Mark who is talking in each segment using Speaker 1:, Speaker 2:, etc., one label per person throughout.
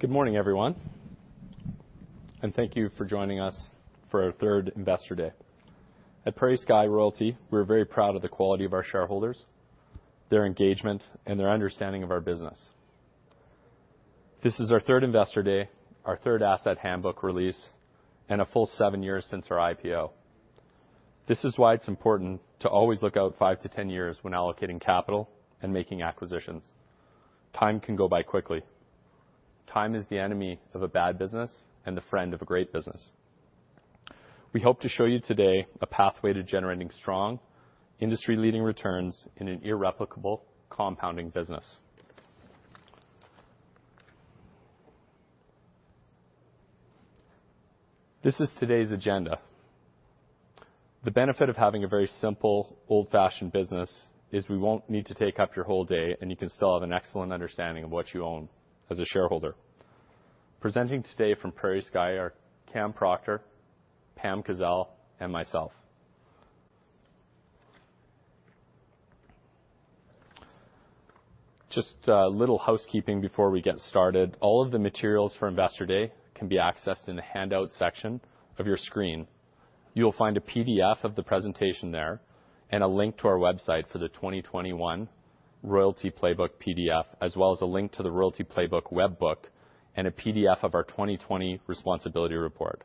Speaker 1: Good morning, everyone. Thank you for joining us for our third Investor Day. At PrairieSky Royalty, we're very proud of the quality of our shareholders, their engagement, and their understanding of our business. This is our third Investor Day, our third asset handbook release, and a full seven years since our IPO. This is why it's important to always look out five to 10 years when allocating capital and making acquisitions. Time can go by quickly. Time is the enemy of a bad business and a friend of a great business. We hope to show you today a pathway to generating strong industry-leading returns in an irreplicable compounding business. This is today's agenda. The benefit of having a very simple old-fashioned business is we won't need to take up your whole day, and you can still have an excellent understanding of what you own as a shareholder. Presenting today from PrairieSky are Cameron Proctor, Pamela Kazeil, and myself. Just a little housekeeping before we get started. All of the materials for Investor Day can be accessed in the handout section of your screen. You'll find a PDF of the presentation there and a link to our website for the 2021 Royalty Playbook PDF, as well as a link to the Royalty Playbook web book and a PDF of our 2020 responsibility report.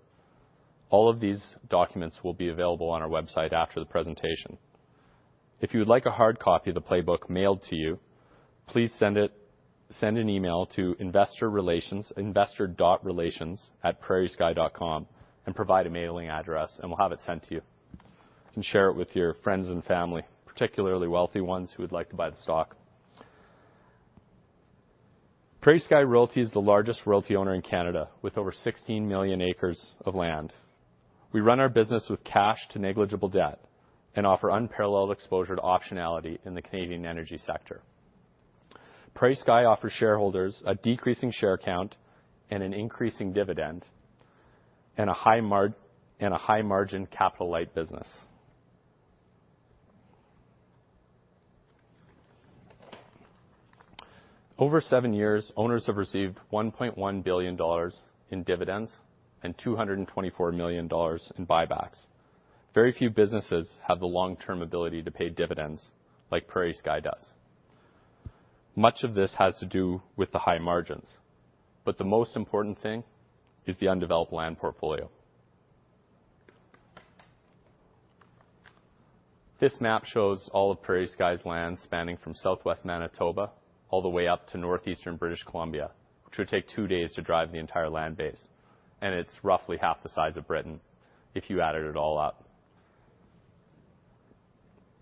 Speaker 1: All of these documents will be available on our website after the presentation. If you'd like a hard copy of the playbook mailed to you, please send an email to investor.relations@prairiesky.com and provide a mailing address, and we'll have it sent to you. You can share it with your friends and family, particularly wealthy ones who would like to buy the stock. PrairieSky Royalty is the largest royalty owner in Canada with over 16 million acres of land. We run our business with cash to negligible debt and offer unparalleled exposure to optionality in the Canadian energy sector. PrairieSky offers shareholders a decreasing share count and an increasing dividend in a high-margin, capital-light business. Over seven years, owners have received 1.1 billion dollars in dividends and 224 million dollars in buybacks. Very few businesses have the long-term ability to pay dividends like PrairieSky does. Much of this has to do with the high margins, the most important thing is the undeveloped land portfolio. This map shows all of PrairieSky's land spanning from southwest Manitoba all the way up to northeastern British Columbia. It should take two days to drive the entire land base, and it's roughly half the size of Britain if you added it all up.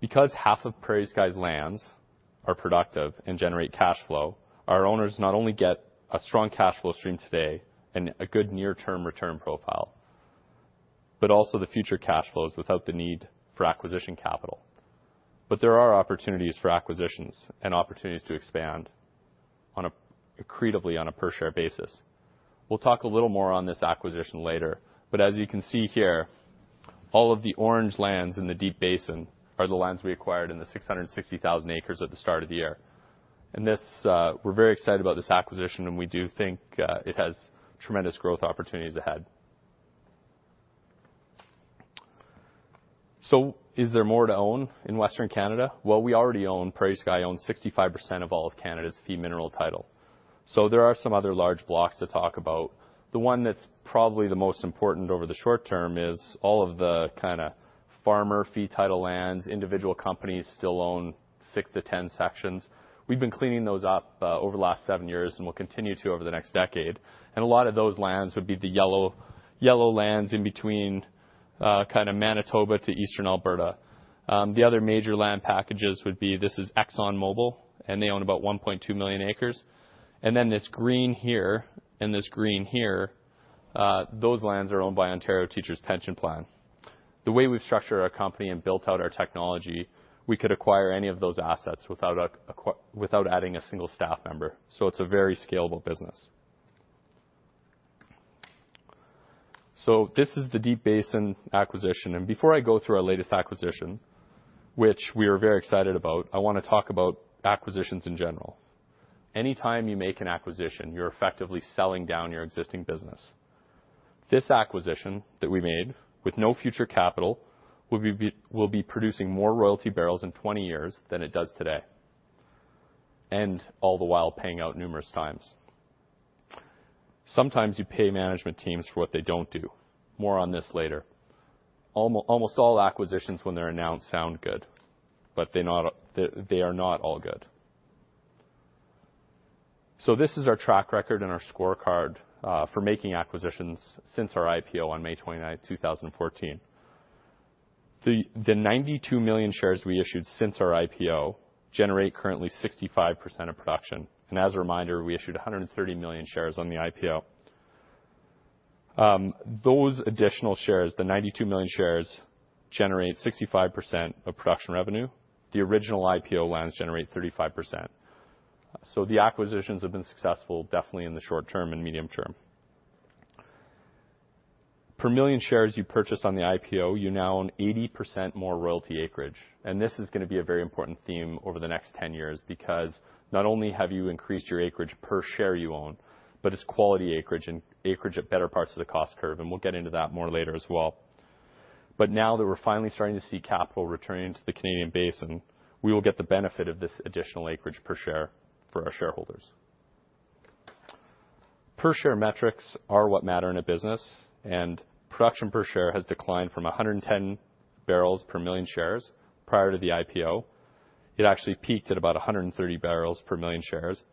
Speaker 1: Because half of PrairieSky's lands is productive and generate cash flow, our owners not only get a strong cash flow stream today and a good near-term return profile, but also the future cash flows without the need for acquisition capital. There are opportunities for acquisitions and opportunities to expand accretively on a per-share basis. We'll talk a little more on this acquisition later. As you can see here, all of the orange lands in the Deep Basin are the lands we acquired in the 660,000 acres at the start of the year. We're very excited about this acquisition, and we do think it has tremendous growth opportunities ahead. Is there more to own in Western Canada? Well, we already own, PrairieSky owns 65% of all of Canada's fee mineral title. There are some other large blocks to talk about. The one that's probably the most important over the short term is all of the farmer fee title lands. Individual companies still own six to 10 sections. We've been cleaning those up over the last seven years and will continue to over the next decade, and a lot of those lands would be the yellow lands in between Manitoba to Eastern Alberta. The other major land packages would be this is ExxonMobil, and they own about 1.2 million acres. This green here and this green here, those lands are owned by Ontario Teachers' Pension Plan. The way we've structured our company and built out our technology, we could acquire any of those assets without adding a single staff member. It's a very scalable business. This is the Deep Basin acquisition. Before I go through our latest acquisition, which we are very excited about, I want to talk about acquisitions in general. Anytime you make an acquisition, you're effectively selling down your existing business. This acquisition that we made with no future capital will be producing more royalty barrels in 20 years than it does today, and all the while paying out numerous times. Sometimes you pay management teams for what they don't do. More on this later. Almost all acquisitions when they're announced sound good, but they are not all good. This is our track record and our scorecard for making acquisitions since our IPO on May 29th, 2014. The 92 million shares we issued since our IPO generate currently 65% of production. As a reminder, we issued 130 million shares on the IPO. Those additional shares, the 92 million shares, generate 65% of production revenue. The original IPO lands generate 35%. The acquisitions have been successful definitely in the short term and medium term. Per million shares you purchased on the IPO; you now own 80% more royalty acreage. This is going to be a very important theme over the next 10 years because not only have you increased your acreage per share you own, but it's quality acreage and acreage at better parts of the cost curve, and we'll get into that more later as well. Now that we're finally starting to see capital returning to the Canadian basin, we will get the benefit of this additional acreage per share for our shareholders. Per-share metrics are what matter in a business. Production per share has declined from 110 barrels per million shares prior to the IPO. It actually peaked at about 130 barrels per million shares,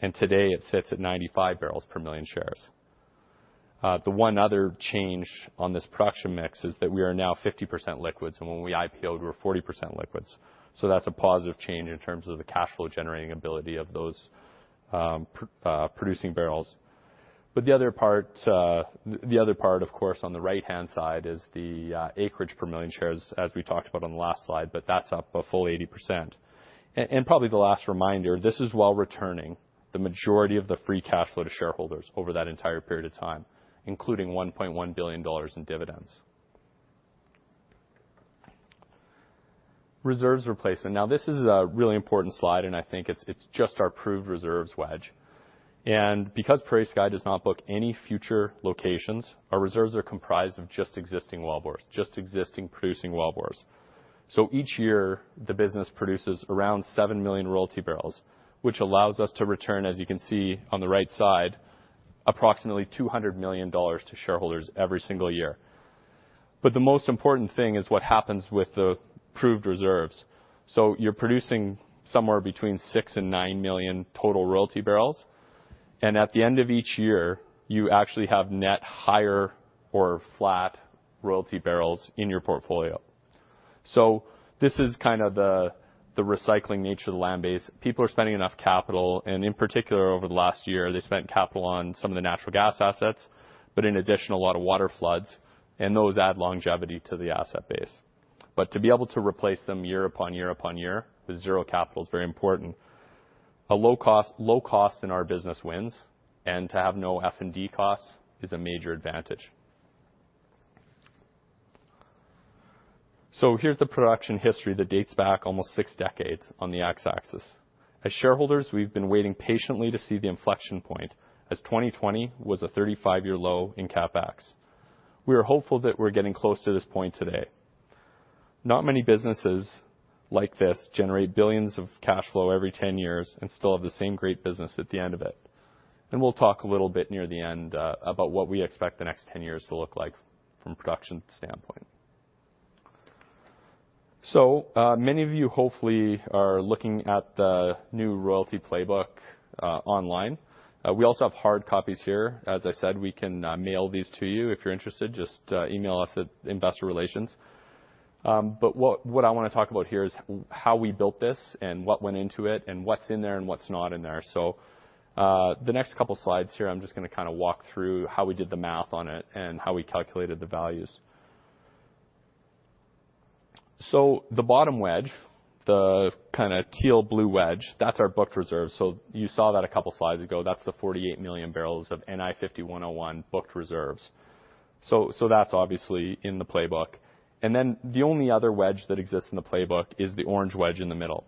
Speaker 1: and today it sits at 95 barrels per million shares. The one other change on this production mix is that we are now 50% liquids, and when we IPO'd, we were 40% liquids. That's a positive change in terms of the cash flow generating ability of those producing barrels. The other part, of course, on the right-hand side is the acreage per million shares, as we talked about on the last slide, but that's up a full 80%. Probably the last reminder, this is while returning the majority of the free cash flow to shareholders over that entire period of time, including 1.1 billion dollars in dividends. Reserves replacement. Now, this is a really important slide, and I think it's just our proved reserves wedge. Because PrairieSky does not book any future locations, our reserves are comprised of just existing wellbores, just existing producing wellbores. Each year the business produces around seven million royalty barrels, which allows us to return, as you can see on the right side, approximately 200 million dollars to shareholders every single year. The most important thing is what happens with the proved reserves. You're producing somewhere between six million and nine million total royalty barrels, and at the end of each year, you actually have net higher or flat royalty barrels in your portfolio. This is kind of the recycling nature of the land base. People are spending enough capital, and in particular over the last year, they spent capital on some of the natural gas assets, but in addition, a lot of waterfloods, and those add longevity to the asset base. To be able to replace them year upon year upon year with zero capital is very important. A low cost in our business wins, and to have no F&D costs is a major advantage. Here's the production history that dates back almost six decades on the x-axis. As shareholders, we've been waiting patiently to see the inflection point, as 2020 was a 35-year low in CapEx. We are hopeful that we're getting close to this point today. Not many businesses like this generate billions of cash flows every 10 years and still have the same great business at the end of it. We'll talk a little bit near the end about what we expect the next 10 years to look like from a production standpoint. Many of you hopefully are looking at the new royalty playbook online. We also have hard copies here. As I said, we can mail these to you if you're interested. Just email us at Investor Relations. What I want to talk about here is how we built this and what went into it and what's in there and what's not in there. The next couple slides here; I'm just going to kind of walk through how we did the math on it and how we calculated the values. The bottom wedge, the kind of teal blue wedge, that's our booked reserves. You saw that a couple slides ago. That's the 48 million barrels of NI 51-101 booked reserves. That's obviously in the playbook. The only other wedge that exists in the playbook is the orange wedge in the middle.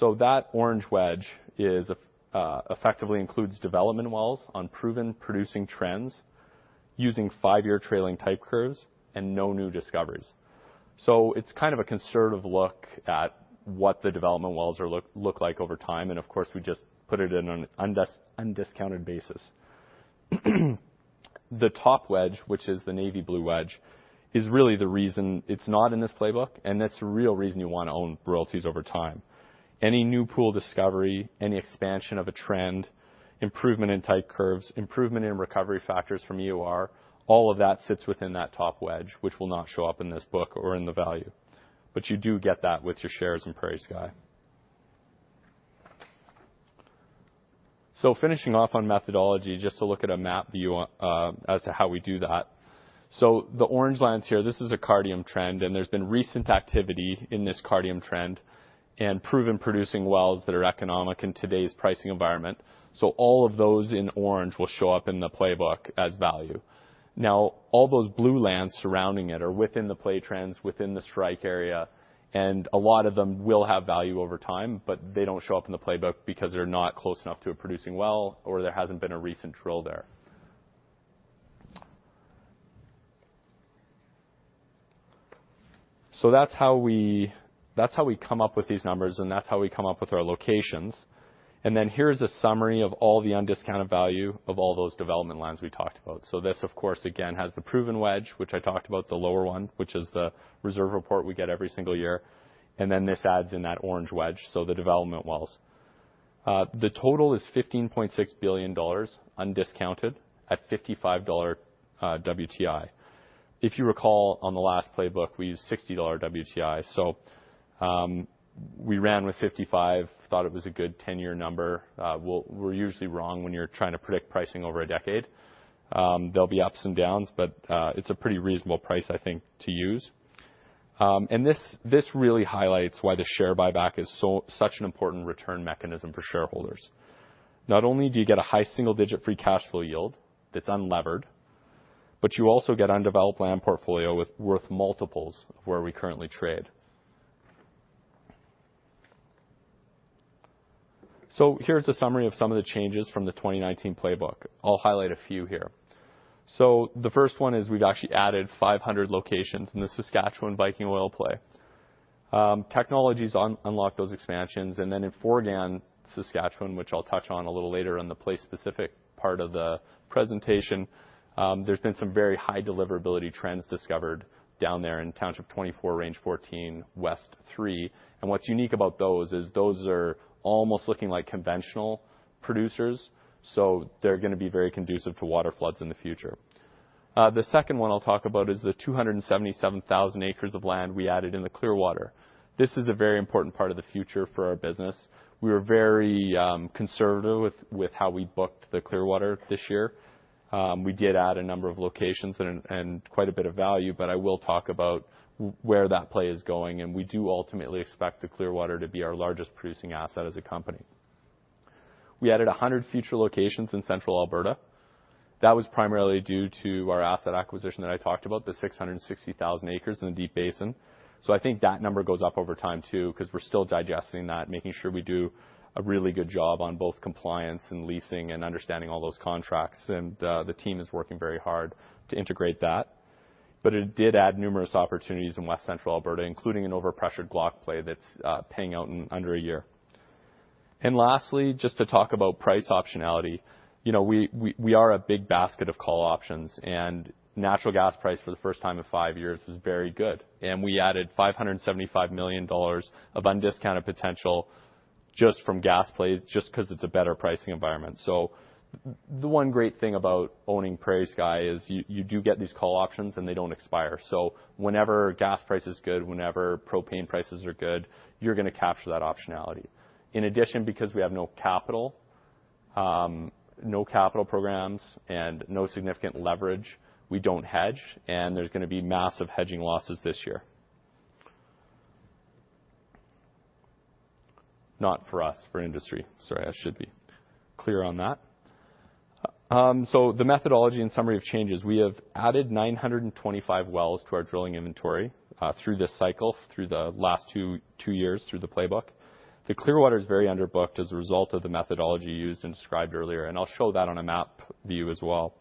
Speaker 1: That orange wedge effectively includes development wells on proven producing trends using five-year trailing type curves and no new discoveries. It's kind of a conservative look at what the development wells look like over time, and of course, we just put it in an undiscounted basis. The top wedge, which is the navy-blue wedge, is really the reason it's not in this playbook, and it's the real reason you want to own royalties over time. Any new pool discovery, any expansion of a trend, improvement in type curves, improvement in recovery factors from EOR, all of that sits within that top wedge, which will not show up in this book or in the value. You do get that with your shares in PrairieSky. Finishing off on methodology, just to look at a map view as to how we do that. The orange lines here, this is a Cardium trend, and there's been recent activity in this Cardium trend and proven producing wells that are economic in today's pricing environment. All of those in orange will show up in the playbook as value. All those blue lines surrounding it are within the play trends within the strike area, and a lot of them will have value over time, but they don't show up in the playbook because they're not close enough to a producing well or there hasn't been a recent drill there. That's how we come up with these numbers, and that's how we come up with our locations. Here's a summary of all the undiscounted value of all those development lines we talked about. This, of course, again, has the proven wedge, which I talked about, the lower one, which is the reserve report we get every single year. Then this adds in that orange wedge, so the development wells. The total is 15.6 billion dollars undiscounted at $55 WTI. If you recall, on the last playbook, we used $60 WTI. We ran with 55, thought it was a good 10-year number. We're usually wrong when you're trying to predict pricing over a decade. There'll be ups and downs, but it's a pretty reasonable price, I think, to use. This really highlights why the share buyback is such an important return mechanism for shareholders. Not only do you get a high single-digit free cash flow yield that's unlevered, but you also get undeveloped land portfolio worth multiples of where we currently trade. Here's a summary of some of the changes from the 2019 playbook. I'll highlight a few here. The first one is we've actually added 500 locations in the Saskatchewan Viking oil play. Technologies unlock those expansions. In Forgan, Saskatchewan, which I'll touch on a little later in the play specific part of the presentation, there's been some very high deliverability trends discovered down there in Township 24, Range 14, West three. What's unique about those is those are almost looking like conventional producers, so they're going to be very conducive to water floods in the future. The second one I'll talk about is the 277,000 acres of land we added in the Clearwater. This is a very important part of the future for our business. We are very conservative with how we booked the Clearwater this year. We did add a number of locations and quite a bit of value, but I will talk about where that play is going. We do ultimately expect the Clearwater to be our largest producing asset as a company. We added 100 future locations in central Alberta. That was primarily due to our asset acquisition that I talked about, the 660,000 acres in Deep Basin. I think that number goes up over time, too, because we're still digesting that, making sure we do a really good job on both compliance and leasing and understanding all those contracts. The team is working very hard to integrate that. It did add numerous opportunities in west central Alberta, including an overpressured Glauconite play that's paying out in under a year. Lastly, just to talk about price optionality. We are a big basket of call options. Natural gas price for the first time in 5 years is very good. We added 575 million dollars of undiscounted potential just from gas plays just because it's a better pricing environment. The one great thing about owning PrairieSky, you do get these call options, and they don't expire. Whenever gas price is good, whenever propane prices are good, you're going to capture that optionality. In addition, because we have no capital programs and no significant leverage, we don't hedge, and there's going to be massive hedging losses this year. Not for us, for industry. Sorry, I should be clear on that. The methodology and summary of changes. We have added 925 wells to our drilling inventory through this cycle, through the last two years through the playbook. The Clearwater is very under booked as a result of the methodology used and described earlier. I'll show that on a map view as well.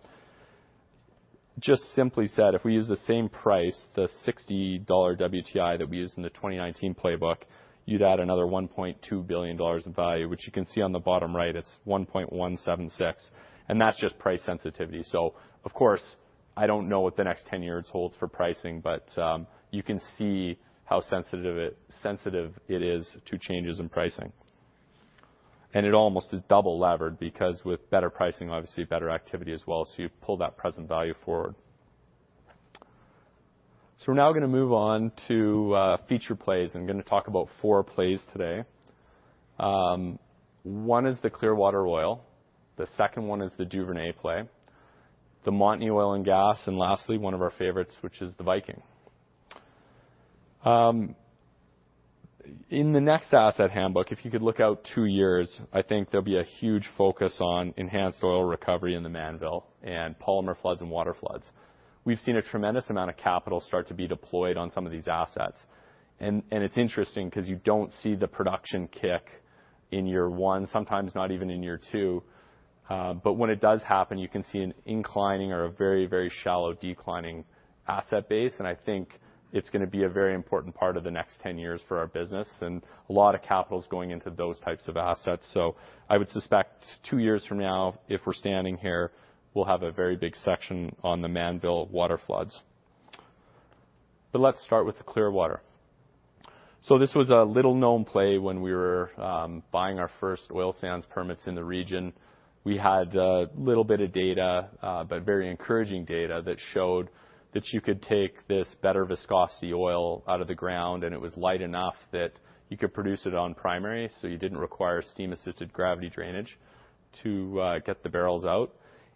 Speaker 1: Just simply said, if we use the same price, the $60 WTI that we used in the 2019 playbook, you'd add another $1.2 billion in value, which you can see on the bottom right, it's $1.176. That's just price sensitivity. Of course, I don't know what the next 10 years holds for pricing, but you can see how sensitive it is to changes in pricing. It almost is double levered because with better pricing, obviously better activity as well. You pull that present value forward. We're now going to move on to feature plays. I'm going to talk about four plays today. One is the Clearwater Oil, the second one is the Duvernay play, the Montney Oil and Gas. Lastly, one of our favorites, which is the Viking. In the next asset handbook, if you could look out two years, I think there'll be a huge focus on enhanced oil recovery in the Mannville and polymer floods and water floods. We've seen a tremendous amount of capital start to be deployed on some of these assets. It's interesting because you don't see the production kick in year one, sometimes not even in year two. When it does happen, you can see an inclining or a very shallow declining asset base, and I think it's going to be a very important part of the next 10 years for our business. A lot of capital is going into those types of assets. I would suspect two years from now, if we're standing here, we'll have a very big section on the Mannville water floods. Let's start with the Clearwater. This was a little-known play when we were buying our first oil sands permits in the region. We had a little bit of data, but very encouraging data that showed that you could take this better viscosity oil out of the ground, and it was light enough that you could produce it on primary, so you didn't require steam-assisted gravity drainage to get the barrels out.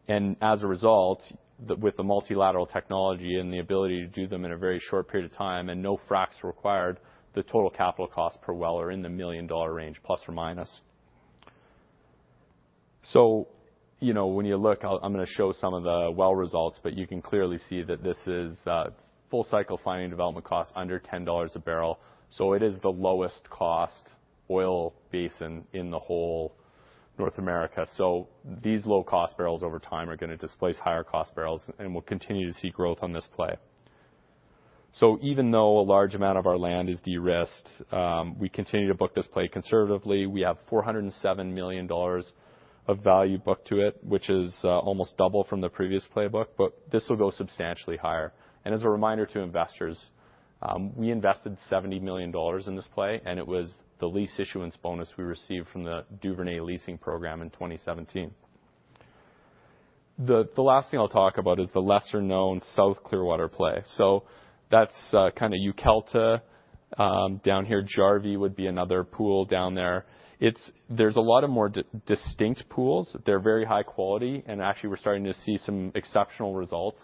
Speaker 1: As a result, with the multilateral technology and the ability to do them in a very short period of time and no fracs required, the total capital cost per well are in the 1 million dollar range, plus or minus. When you look, I am going to show some of the well results, but you can clearly see that this is full cycle finding development cost under 10 dollars a barrel. It is the lowest cost oil basin in the whole North America. These low-cost barrels over time are going to displace higher cost barrels and we will continue to see growth on this play. Even though a large amount of our land is de-risked, we continue to book this play conservatively. We have 407 million dollars of value booked to it, which is almost double from the previous playbook, but this will go substantially higher. As a reminder to investors, we invested 70 million dollars in this play, and it was the lease issuance bonus we received from the Duvernay leasing program in 2017. The last thing I will talk about is the lesser-known South Clearwater play. That's kind of Ukalta. Down here, Jarvie would be another pool down there. There's a lot of more distinct pools. They're very high quality, and actually, we're starting to see some exceptional results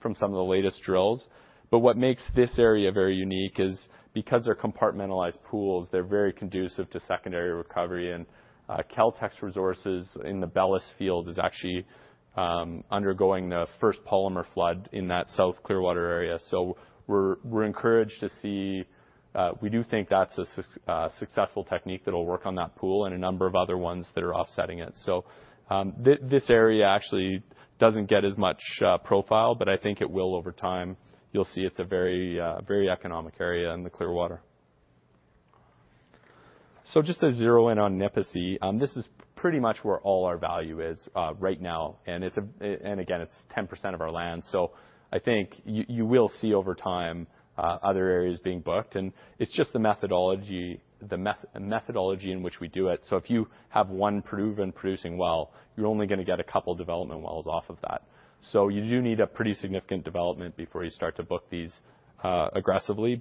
Speaker 1: from some of the latest drills. What makes this area very unique is because they're compartmentalized pools, they're very conducive to secondary recovery. Caltex Resources in the Bellis field is actually undergoing the first polymer flood in that South Clearwater Area. We're encouraged to see. We do think that'll work on that pool and a number of other ones that are offsetting it. This area actually doesn't get as much profile, but I think it will over time. You'll see it's a very economic area in the Clearwater. Just to zero in on Nipisi, this is pretty much where all our value is right now. Again, it's 10% of our land. I think you will see over time other areas being booked, and it's just the methodology in which we do it. If you have one proven producing well, you're only going to get a couple of development wells off of that. You do need a pretty significant development before you start to book these aggressively.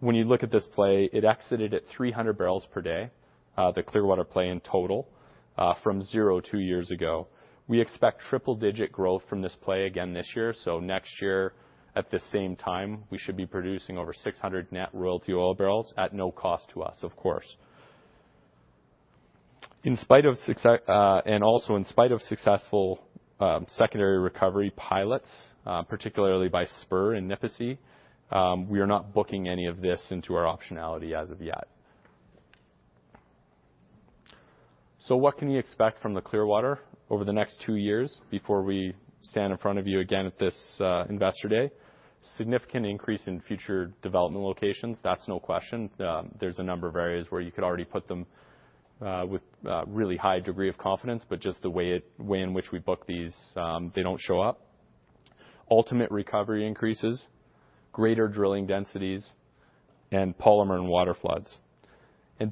Speaker 1: When you look at this play, it exited at 300 barrels per day, the Clearwater play in total, from zero two years ago. We expect triple-digit growth from this play again this year. Next year, at the same time, we should be producing over 600 net royalty oil barrels at no cost to us, of course. Also in spite of successful secondary recovery pilots, particularly by Spur in Nipisi, we are not booking any of this into our optionality as of yet. What can you expect from the Clearwater over the next two years before we stand in front of you again at this investor day? Significant increase in future development locations. That's no question. There's a number of areas where you could already put them with a really high degree of confidence. Just the way in which we book these, they don't show up. Ultimate recovery increases, greater drilling densities, and polymer and water floods.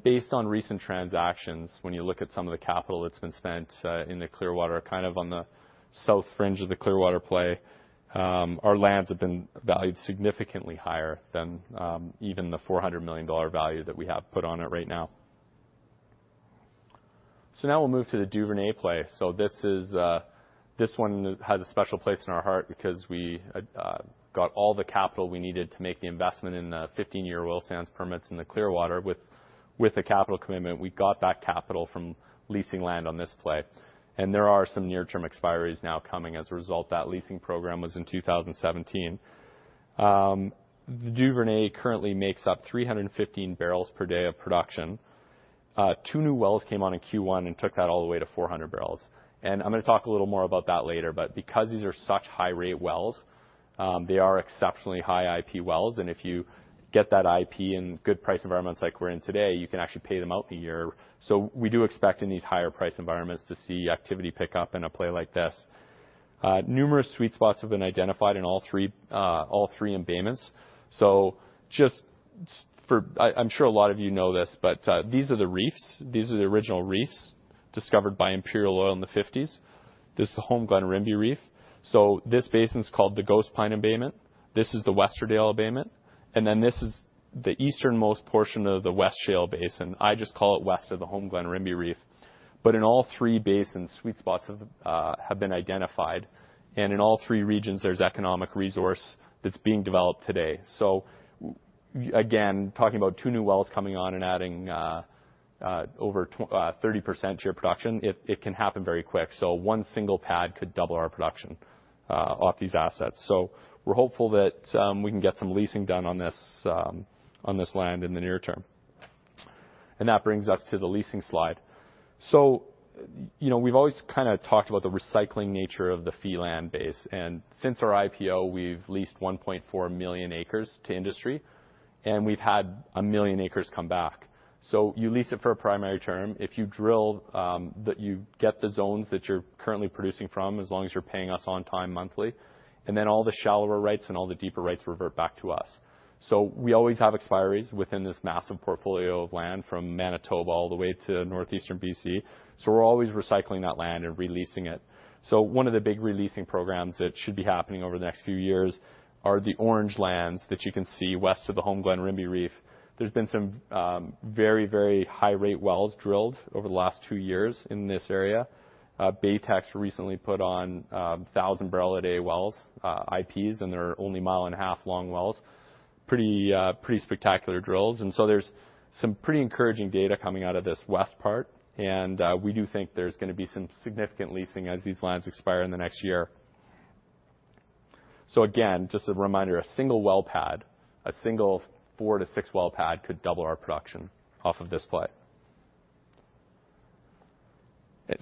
Speaker 1: Based on recent transactions, when you look at some of the capital that's been spent in the Clearwater, kind of on the south fringe of the Clearwater play our lands have been valued significantly higher than even the 400 million dollar value that we have put on it right now. Now we'll move to the Duvernay play. This one has a special place in our heart because we got all the capital, we needed to make the investment in the 15-year oil sands permits in the Clearwater with the capital commitment. We got that capital from leasing land on this play. There are some near-term expiries now coming as a result. That leasing program was in 2017. The Duvernay currently makes up 315 barrels per day of production. Two new wells came on in Q1 and took that all the way to 400 barrels. I'm going to talk a little more about that later. Because these are such high rate wells, they are exceptionally high IP wells. If you get that IP in good price environments like we're in today, you can actually pay them out in a year. We do expect in these higher price environments to see activity pick up in a play like this. Numerous sweet spots have been identified in all three embayments. I'm sure a lot of you know this, but these are the reefs. These are the original reefs discovered by Imperial Oil in the 1950s. This is the Homeglen-Rimbey Reef. This basin is called the Ghost Pine Embayment. This is the Westerose Embayment. This is the easternmost portion of the West Shale Basin. I just call it west of the Homeglen-Rimbey Reef. In all three basins, sweet spots have been identified. In all three regions, there's economic resource that's being developed today. Again, talking about two new wells coming on and adding over 30% to your production, it can happen very quick. One single pad could double our production off these assets. We're hopeful that we can get some leasing done on this land in the near term. That brings us to the leasing slide. We've always kind of talked about the recycling nature of the fee land base. Since our IPO, we've leased 1.4 million acres to industry, and we've had 1 million acres come back. You lease it for a primary term. If you drill, you get the zones that you're currently producing from as long as you're paying us on time monthly. All the shallower rights and all the deeper rights revert back to us. We always have expiries within this massive portfolio of land from Manitoba all the way to northeastern BC. We're always recycling that land and re-leasing it. One of the big re-leasing programs that should be happening over the next few years are the orange lands that you can see west of the Homeglen-Rimbey Reef. There's been some very high rate wells drilled over the last two years in this area. Baytex recently put on 1,000-barrel-a-day wells, IPs, and they're only a mile and a half long wells. Pretty spectacular drills. There's some pretty encouraging data coming out of this west part. We do think there's going to be some significant leasing as these lands expire in the next year. Again, just a reminder, a single well pad, a single four to six well pad could double our production off of this play.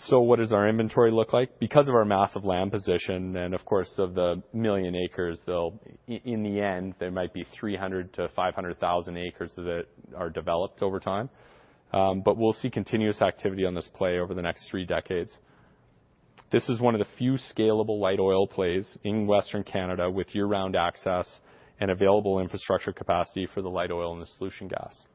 Speaker 1: What does our inventory look like? Our massive land position and of course, of the million acres, in the end, there might be 300,000-500,000 acres that are developed over time. We'll see continuous activity on this play over the next three decades. This is one of the few scalable light oil plays in Western Canada with year-round access and available infrastructure capacity for the light oil and the solution gas.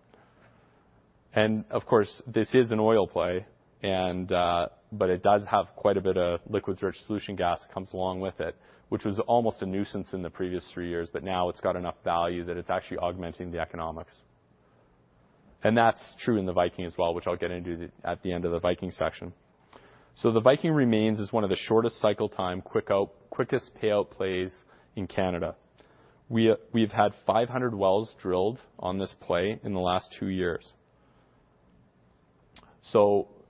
Speaker 1: Of course, this is an oil play, but it does have quite a bit of liquids-rich solution gas comes along with it, which was almost a nuisance in the previous three years, but now it's got enough value that it's actually augmenting the economics. That's true in the Viking as well, which I'll get into at the end of the Viking section. The Viking remains as one of the shortest cycle time, quickest payout plays in Canada. We've had 500 wells drilled on this play in the last two years.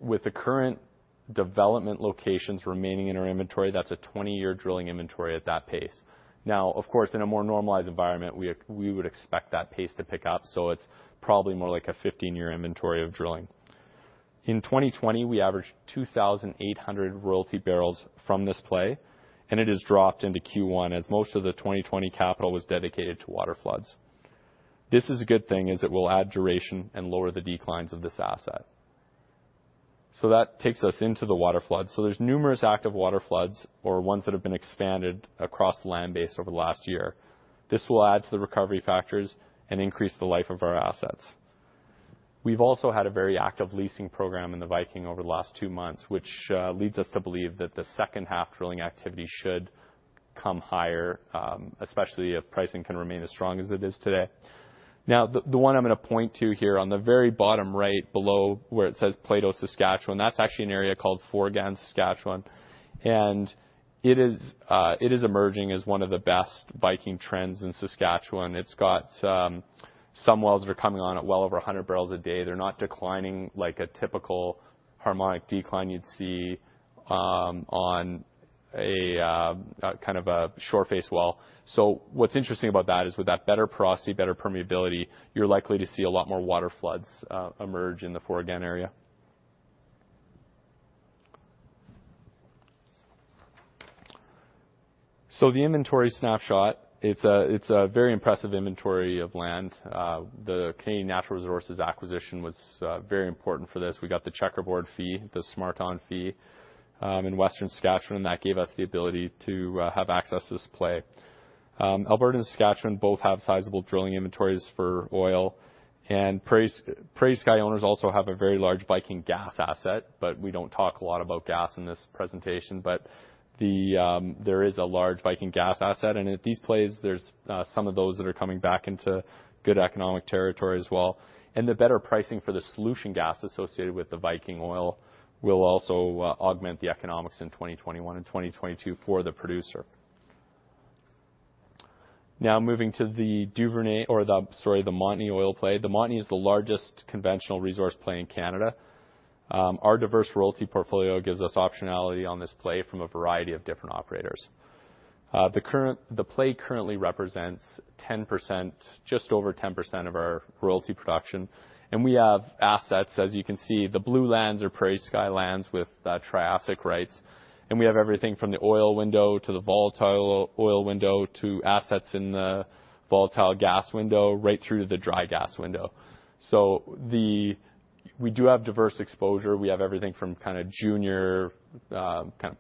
Speaker 1: With the current development locations remaining in our inventory, that's a 20-year drilling inventory at that pace. Of course, in a more normalized environment, we would expect that pace to pick up, it's probably more like a 15-year inventory of drilling. In 2020, we averaged 2,800 royalty barrels from this play, it has dropped into Q1 as most of the 2020 capital was dedicated to waterfloods. This is a good thing as it will add duration and lower the declines of this asset. That takes us into the waterflood. There's numerous active waterfloods or ones that have been expanded across the land base over the last year. This will add to the recovery factors and increase the life of our assets. We've also had a very active leasing program in the Viking over the last two months, which leads us to believe that the H2 drilling activity should come higher, especially if pricing can remain as strong as it is today. The one I'm going to point to here on the very bottom right below where it says Plato, Saskatchewan, that's actually an area called Forgan, Saskatchewan. It is emerging as one of the best Viking trends in Saskatchewan. It's got some wells that are coming on at well over 100 barrels a day. They're not declining like a typical harmonic decline you'd see on a shoreface well. What's interesting about that is with that better porosity, better permeability, you're likely to see a lot more waterfloods emerge in the Forgan area. The inventory snapshot, it's a very impressive inventory of land. The Canadian Natural Resources acquisition was very important for this. We got the Checkerboard fee, the Smardon fee in Western Saskatchewan. That gave us the ability to have access to this play. Alberta and Saskatchewan both have sizable drilling inventories for oil. PrairieSky owners also have a very large Viking gas asset, we don't talk a lot about gas in this presentation. There is a large Viking gas asset, at these plays, there's some of those that are coming back into good economic territory as well. The better pricing for the solution gas associated with the Viking oil will also augment the economics in 2021 and 2022 for the producer. Now moving to the Montney oil play. The Montney is the largest conventional resource play in Canada. Our diverse royalty portfolio gives us optionality on this play from a variety of different operators. The play currently represents just over 10% of our royalty production. We have assets, as you can see, the blue lands are PrairieSky lands with Triassic rights. We have everything from the oil window to the volatile oil window to assets in the volatile gas window, right through to the dry gas window. We do have diverse exposure. We have everything from junior,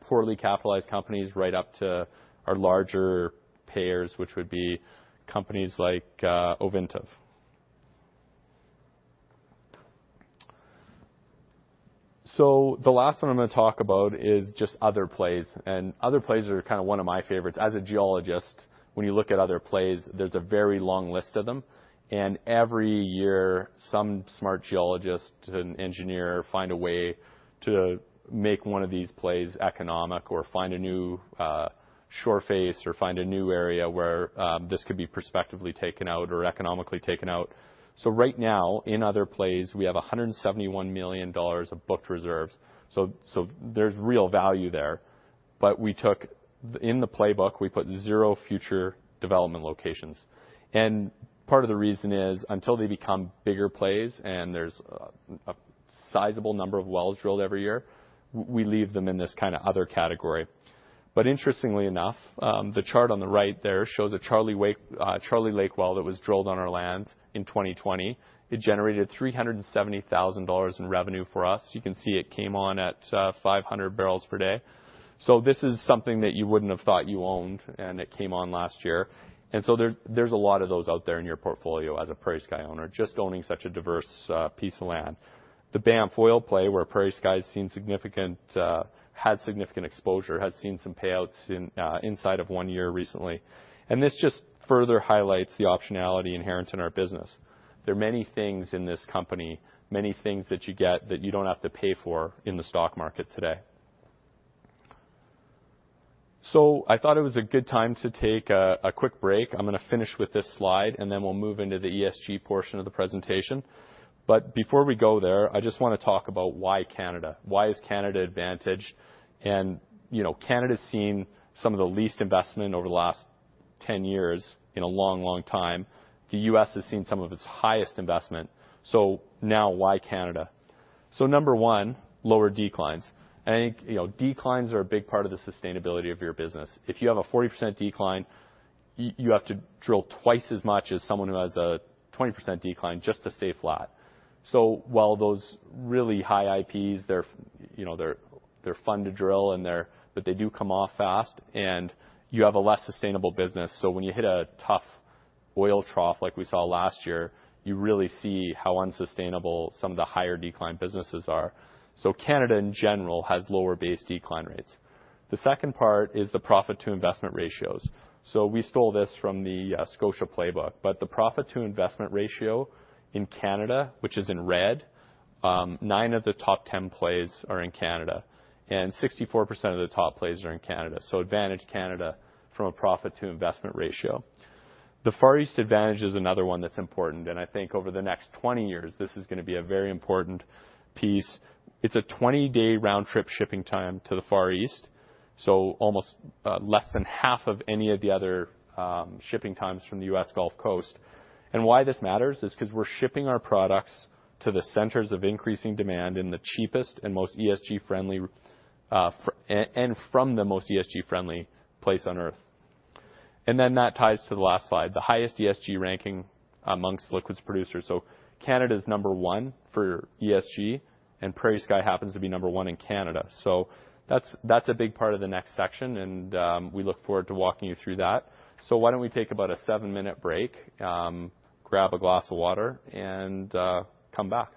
Speaker 1: poorly capitalized companies right up to our larger payers, which would be companies like Ovintiv. The last one I am going to talk about is just other plays, and other plays are one of my favorites. As a geologist, when you look at other plays, there's a very long list of them. Every year, some smart geologist and engineer find a way to make one of these plays economic or find a new shore face or find a new area where this could be prospectively taken out or economically taken out. Right now in other plays, we have 171 million dollars of booked reserves. There's real value there. In the playbook, we put zero future development locations. Part of the reason is until they become bigger plays and there's a sizable number of wells drilled every year, we leave them in this other category. Interestingly enough, the chart on the right there shows a Charlie Lake well that was drilled on our land in 2020. It generated 370,000 dollars in revenue for us. You can see it came on at 500 barrels per day. This is something that you wouldn't have thought you owned, and it came on last year. There's a lot of those out there in your portfolio as a PrairieSky owner, just owning such a diverse piece of land. The Banff oil play where PrairieSky has significant exposure, has seen some payouts inside of one year recently. This just further highlights the optionality inherent in our business. There are many things in this company, many things that you get that you don't have to pay for in the stock market today. I thought it was a good time to take a quick break. I'm going to finish with this slide, and then we'll move into the ESG portion of the presentation. Before we go there, I just want to talk about why Canada. Why is Canada advantaged? Canada's seen some of the least investment over the last 10 years in a long time. The U.S. has seen some of its highest investment. Now why Canada? Number one, lower declines. Declines are a big part of the sustainability of your business. If you have a 40% decline, you have to drill twice as much as someone who has a 20% decline just to stay flat. While those really high IPs, they're fun to drill, but they do come off fast, and you have a less sustainable business. When you hit a tough oil trough like we saw last year, you really see how unsustainable some of the higher decline businesses are. Canada in general has lower base decline rates. The second part is the profit-to-investment ratios. We stole this from the Scotiabank playbook, but the profit-to-investment ratio in Canada, which is in red, nine of the top 10 plays are in Canada, and 64% of the top plays are in Canada. Advantage Canada from a profit-to-investment ratio. The Far East advantage is another one that's important, and I think over the next 20 years, this is going to be a very important piece. It's a 20-day round trip shipping time to the Far East, so less than half of any of the other shipping times from the U.S. Gulf Coast. Why this matters is because we're shipping our products to the centers of increasing demand in the cheapest and most ESG-friendly, and from the most ESG-friendly place on Earth. That ties to the last slide, the highest ESG ranking amongst liquids producers. Canada's number one for ESG, and PrairieSky happens to be number one in Canada. That's a big part of the next section, and we look forward to walking you through that. Why don't we take about a seven-minute break, grab a glass of water, and come back.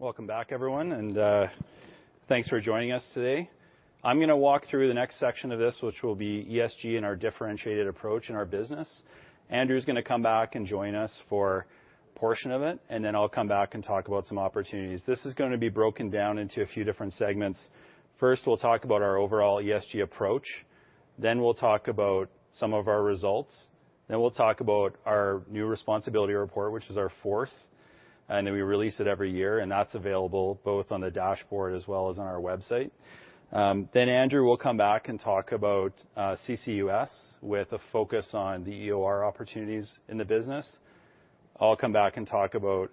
Speaker 2: Welcome back, everyone. Thanks for joining us today. I'm going to walk through the next section of this, which will be ESG and our differentiated approach in our business. Andrew's going to come back and join us for a portion of it, and then I'll come back and talk about some opportunities. This is going to be broken down into a few different segments. First, we'll talk about our overall ESG approach, then we'll talk about some of our results. We'll talk about our new responsibility report, which is our fourth, and we release it every year, and that's available both on the dashboard as well as on our website. Andrew will come back and talk about CCUS with a focus on the EOR opportunities in the business. I'll come back and talk about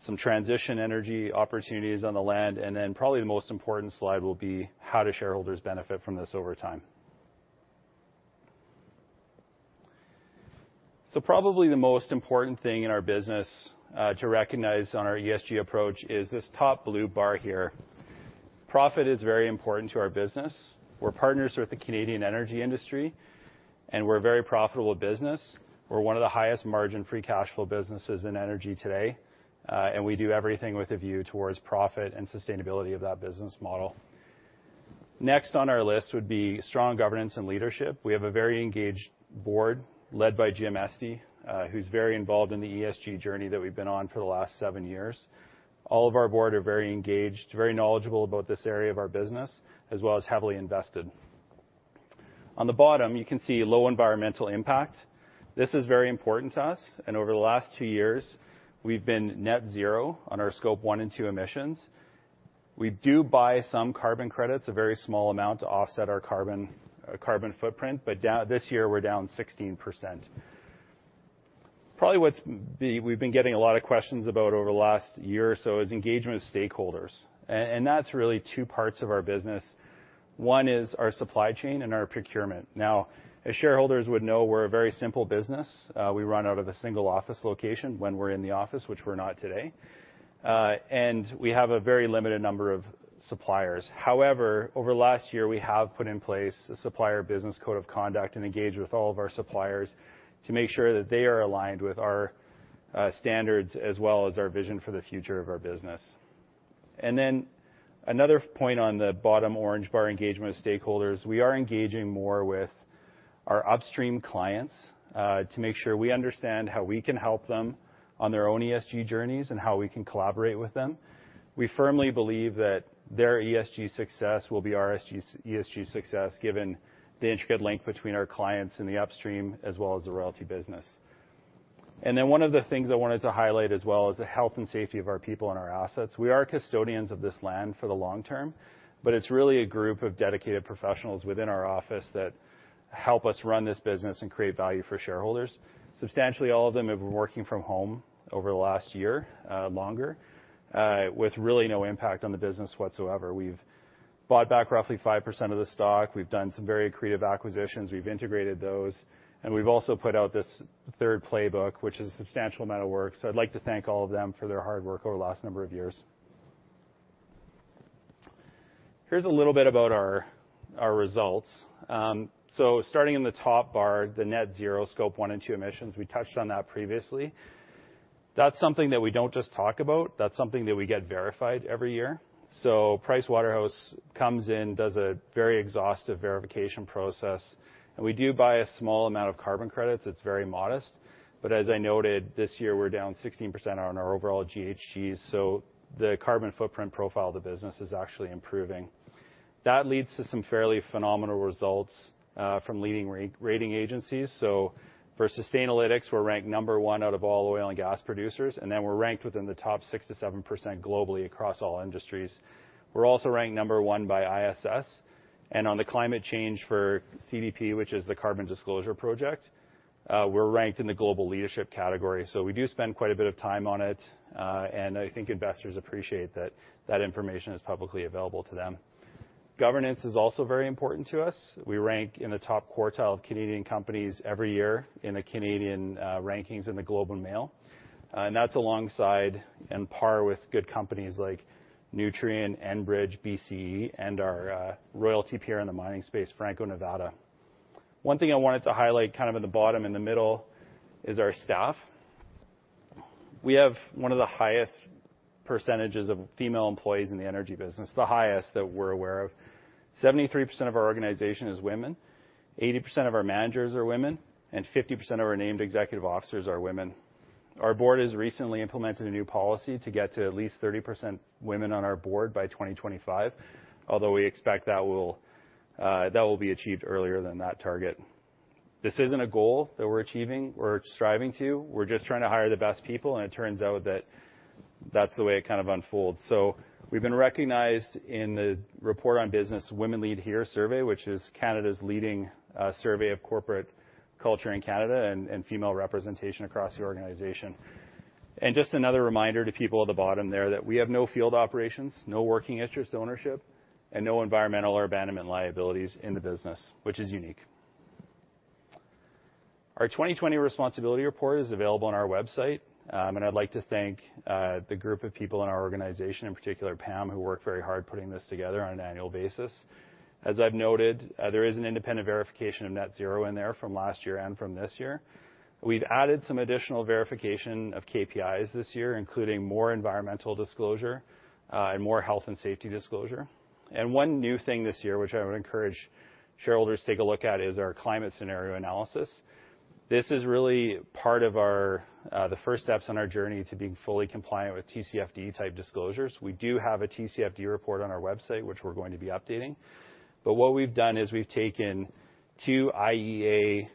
Speaker 2: some transition energy opportunities on the land, probably the most important slide will be how do shareholders benefit from this over time. Probably the most important thing in our business to recognize in our ESG approach is this top blue bar here. Profit is very important to our business. We're partners with the Canadian energy industry; we're a very profitable business. We're one of the highest margin free cash flow businesses in energy today. We do everything with a view towards profit and sustainability of that business model. Next on our list would be strong governance and leadership. We have a very engaged board led by James Estey, who's very involved in the ESG journey that we've been on for the last seven years. All of our board are very engaged, very knowledgeable about this area of our business, as well as heavily invested. On the bottom, you can see low environmental impact. This is very important to us, and over the last two years, we've been net zero on our Scope 1 and Scope 2 emissions. We do buy some carbon credits, a very small amount to offset our carbon footprint. This year we're down 16%. Probably what we've been getting a lot of questions about over the last year or so is engagement with stakeholders. That's really two parts of our business. One is our supply chain and our procurement. Now, as shareholders would know, we're a very simple business. We run out of a single office location when we're in the office, which we're not today. We have a very limited number of suppliers. Over the last year, we have put in place a supplier business code of conduct and engaged with all of our suppliers to make sure that they are aligned with our standards as well as our vision for the future of our business. Another point on the bottom orange bar, engagement with stakeholders, we are engaging more with our upstream clients, to make sure we understand how we can help them on their own ESG journeys and how we can collaborate with them. We firmly believe that their ESG success will be our ESG success given the intricate link between our clients in the upstream as well as the royalty business. One of the things I wanted to highlight as well is the health and safety of our people and our assets. We are custodians of this land for the long term; it's really a group of dedicated professionals within our office that help us run this business and create value for shareholders. Substantially all of them have been working from home over the last year, longer, with really no impact on the business whatsoever. We've bought back roughly 5% of the stock. We've done some very creative acquisitions. We've integrated those, and we've also put out this third playbook, which is a substantial amount of work. I'd like to thank all of them for their hard work over the last number of years. Here's a little bit about our results. Starting in the top bar, the net zero Scope one and two emissions, we touched on that previously. That's something that we don't just talk about. That's something that we get verified every year. Pricewaterhouse comes in, does a very exhaustive verification process, and we do buy a small amount of carbon credits. It's very modest. As I noted, this year we're down 16% on our overall GHGs, so the carbon footprint profile of the business is actually improving. That leads to some fairly phenomenal results from leading rating agencies. For Sustainalytics, we're ranked number one out of all oil and gas producers, and then we're ranked within the top 67% globally across all industries. We're also ranked number one by ISS. On the climate change for CDP, which is the Carbon Disclosure Project, we're ranked in the global leadership category. We do spend quite a bit of time on it, and I think investors appreciate that that information is publicly available to them. Governance is also very important to us. We rank in the top quartile of Canadian companies every year in the Canadian rankings in The Globe and Mail. That's alongside and par with good companies like Nutrien, Enbridge, BCE, and our royalty peer in the mining space, Franco-Nevada. One thing I wanted to highlight kind of at the bottom in the middle is our staff. We have one of the highest percentages of female employees in the energy business, the highest that we're aware of. 73% of our organization is women, 80% of our managers are women, and 50% of our named executive officers are women. Our board has recently implemented a new policy to get to at least 30% women on our board by 2025. We expect that will be achieved earlier than that target. This isn't a goal that we're achieving or striving to. We're just trying to hire the best people; it turns out that that's the way it kind of unfolds. We've been recognized in the Report on Business Women Lead Here survey, which is Canada's leading survey of corporate culture in Canada and female representation across the organization. Just another reminder to people at the bottom there that we have no field operations, no working interest ownership, and no environmental or abandonment liabilities in the business, which is unique. Our 2020 responsibility report is available on our website, and I'd like to thank the group of people in our organization, in particular Pam, who worked very hard putting this together on an annual basis. As I've noted, there is an independent verification of net zero in there from last year and from this year. We’ve added some additional verification of KPIs this year, including more environmental disclosure, and more health and safety disclosure. One new thing this year, which I would encourage shareholders to take a look at, is our climate scenario analysis. This is really part of the first steps on our journey to being fully compliant with TCFD-type disclosures. We do have a TCFD report on our website, which we’re going to be updating. What we’ve done is we’ve taken two IEA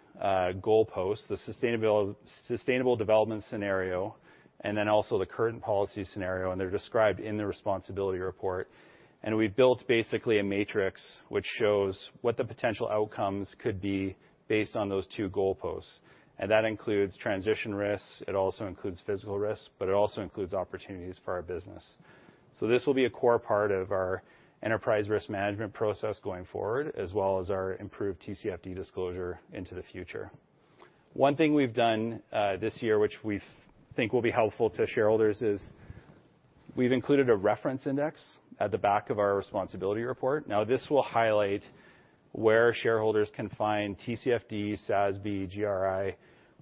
Speaker 2: goalposts, the Sustainable Development Scenario, and then also the Current Policy Scenario, and they’re described in the responsibility report. We built basically a matrix which shows what the potential outcomes could be based on those two goalposts. That includes transition risks, it also includes physical risks, but it also includes opportunities for our business. This will be a core part of our enterprise risk management process going forward, as well as our improved TCFD disclosure into the future. One thing we've done this year, which we think will be helpful to shareholders, is we've included a reference index at the back of our responsibility report. This will highlight where shareholders can find TCFD, SASB, GRI,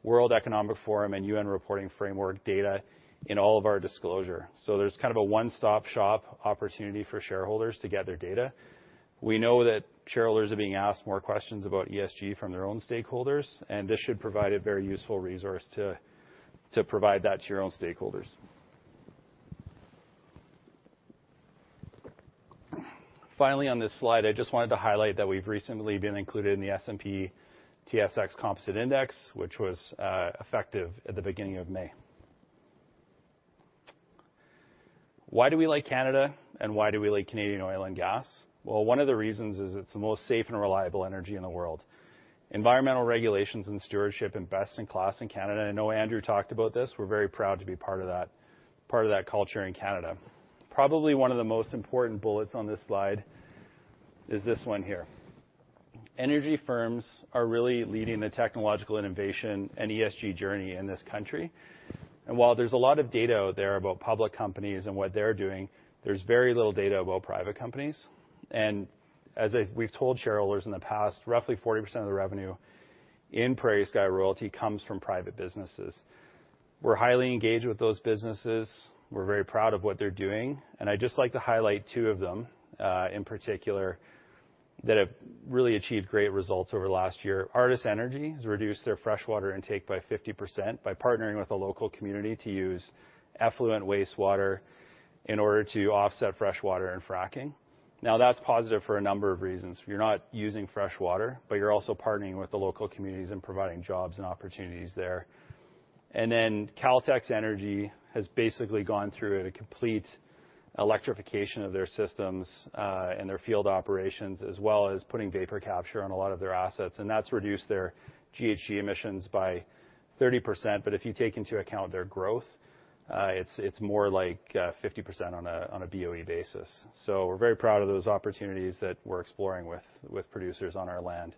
Speaker 2: World Economic Forum, and UN reporting framework data in all of our disclosure. There's a one-stop shop opportunity for shareholders to get their data. We know that shareholders are being asked more questions about ESG from their own stakeholders, and this should provide a very useful resource to provide that to your own stakeholders. On this slide, I just wanted to highlight that we've recently been included in the S&P/TSX Composite Index, which was effective at the beginning of May. Why do we like Canada and why do we like Canadian oil and gas? Well, one of the reasons is it's the most safe and reliable energy in the world. Environmental regulations and stewardship are best in class in Canada. I know Andrew talked about this. We're very proud to be part of that culture in Canada. Probably one of the most important bullets on this slide is this one here. Energy firms are really leading the technological innovation and ESG journey in this country. While there's a lot of data out there about public companies and what they're doing, there's very little data about private companies. As we've told shareholders in the past, roughly 40% of the revenue in PrairieSky Royalty comes from private businesses. We're highly engaged with those businesses. We're very proud of what they're doing. I'd just like to highlight two of them, in particular, that have really achieved great results over the last year. Artis Energy has reduced their freshwater intake by 50% by partnering with a local community to use effluent wastewater in order to offset freshwater in fracking. That's positive for a number of reasons. You're not using freshwater, but you're also partnering with the local communities and providing jobs and opportunities there. Caltex Energy has basically gone through a complete electrification of their systems, in their field operations, as well as putting vapor capture on a lot of their assets, and that's reduced their GHG emissions by 30%. If you take into account their growth, it's more like 50% on a BOE basis. We're very proud of those opportunities that we're exploring with producers on our land.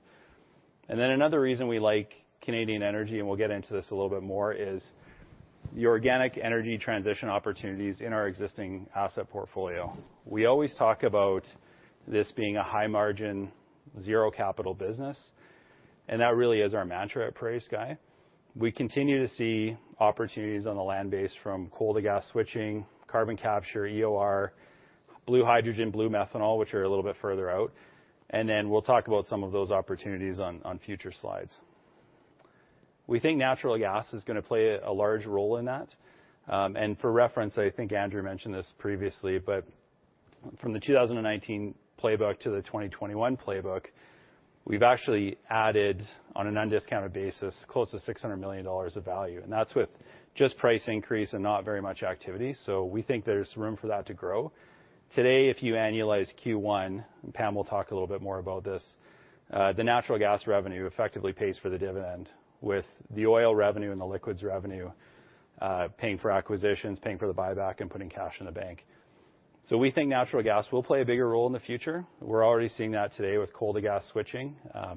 Speaker 2: Another reason we like Canadian energy, and we'll get into this a little bit more, is the organic energy transition opportunities in our existing asset portfolio. We always talk about this being a high-margin, zero capital business, and that really is our mantra at PrairieSky Royalty. We continue to see opportunities on the land base from coal to gas switching, carbon capture, EOR, blue hydrogen, blue methanol, which are a little bit further out, we'll talk about some of those opportunities on future slides. We think natural gas is going to play a large role in that. For reference, I think Andrew mentioned this previously, but from the 2019 playbook to the 2021 playbook, we've actually added, on an undiscounted basis, close to 600 million dollars of value, and that's with just price increase and not very much activity. We think there's room for that to grow. Today, if you annualize Q1, and Pam will talk a little bit more about this, the natural gas revenue effectively pays for the dividend with the oil revenue and the liquids revenue paying for acquisitions, paying for the buyback, and putting cash in the bank. We think natural gas will play a bigger role in the future. We're already seeing that today with coal to gas switching.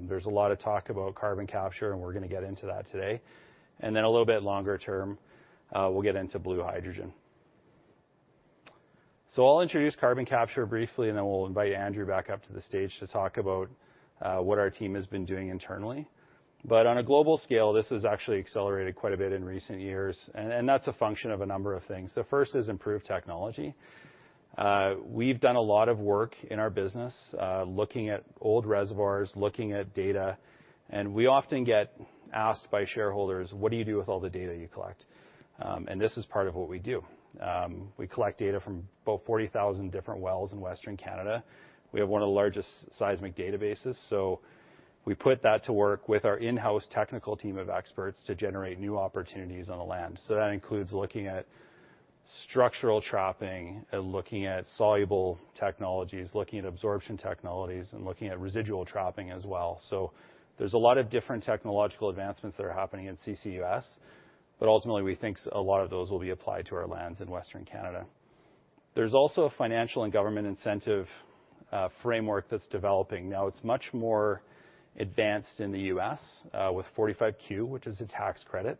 Speaker 2: There's a lot of talk about carbon capture, and we're going to get into that today. Then a little bit longer term, we'll get into blue hydrogen. I'll introduce carbon capture briefly, and then we'll invite Andrew back up to the stage to talk about what our team has been doing internally. On a global scale, this has actually accelerated quite a bit in recent years, and that's a function of a number of things. The first is improved technology. We've done a lot of work in our business looking at old reservoirs, looking at data, and we often get asked by shareholders, "What do you do with all the data you collect?" This is part of what we do. We collect data from about 40,000 different wells in Western Canada. We have one of the largest seismic databases. We put that to work with our in-house technical team of experts to generate new opportunities on the land. That includes looking at structural trapping and looking at soluble technologies, looking at absorption technologies, and looking at residual trapping as well. There's a lot of different technological advancements that are happening in CCUS, but ultimately, we think a lot of those will be applied to our lands in Western Canada. There's also a financial and government incentive framework that's developing. It's much more advanced in the U.S. with 45Q, which is a tax credit,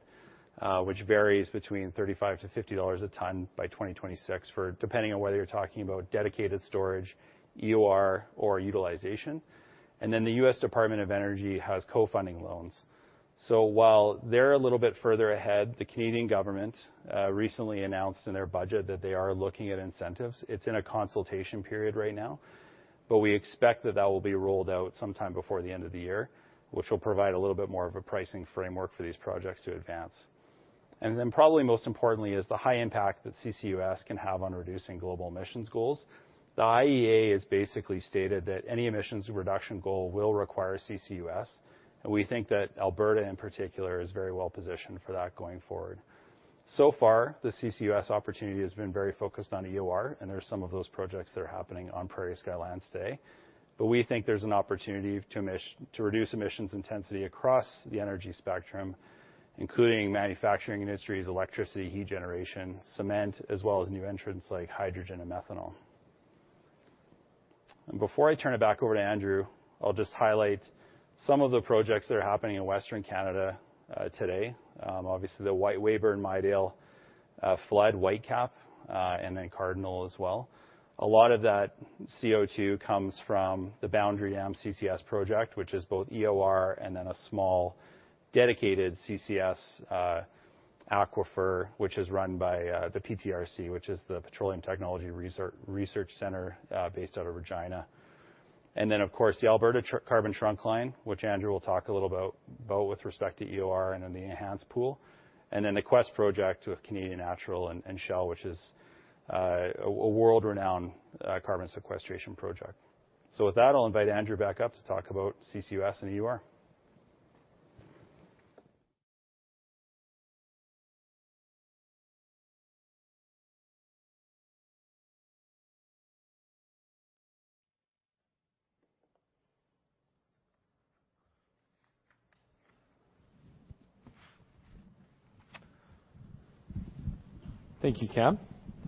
Speaker 2: which varies between $35-$50 a ton by 2026 depending on whether you're talking about dedicated storage, EOR, or utilization. The U.S. Department of Energy has co-funding loans. While they're a little bit further ahead, the Canadian government recently announced in their budget that they are looking at incentives. It's in a consultation period right now. We expect that that will be rolled out sometime before the end of the year, which will provide a little bit more of a pricing framework for these projects to advance. Probably most importantly is the high impact that CCUS can have on reducing global emissions goals. The IEA has basically stated that any emissions reduction goal will require CCUS, and we think that Alberta in particular is very well-positioned for that going forward. Far, the CCUS opportunity has been very focused on EOR, and there are some of those projects that are happening on PrairieSky lands today. We think there's an opportunity to reduce emissions intensity across the energy spectrum, including manufacturing industries, electricity, heat generation, cement, as well as new entrants like hydrogen and methanol. Before I turn it back over to Andrew, I'll just highlight some of the projects that are happening in Western Canada today. Obviously, the Weyburn and Midale flood Whitecap, and then Cardinal as well. A lot of that CO2 comes from the Boundary Dam CCS project, which is both EOR and then a small, dedicated CCS aquifer, which is run by the PTRC, which is the Petroleum Technology Research Center based out of Regina. Of course, the Alberta Carbon Trunk Line, which Andrew will talk a little about with respect to EOR and then the Enhance pool, and then the Quest project with Canadian Natural and Shell, which is a world-renowned carbon sequestration project. With that, I'll invite Andrew back up to talk about CCUS and EOR.
Speaker 1: Thank you, Cam.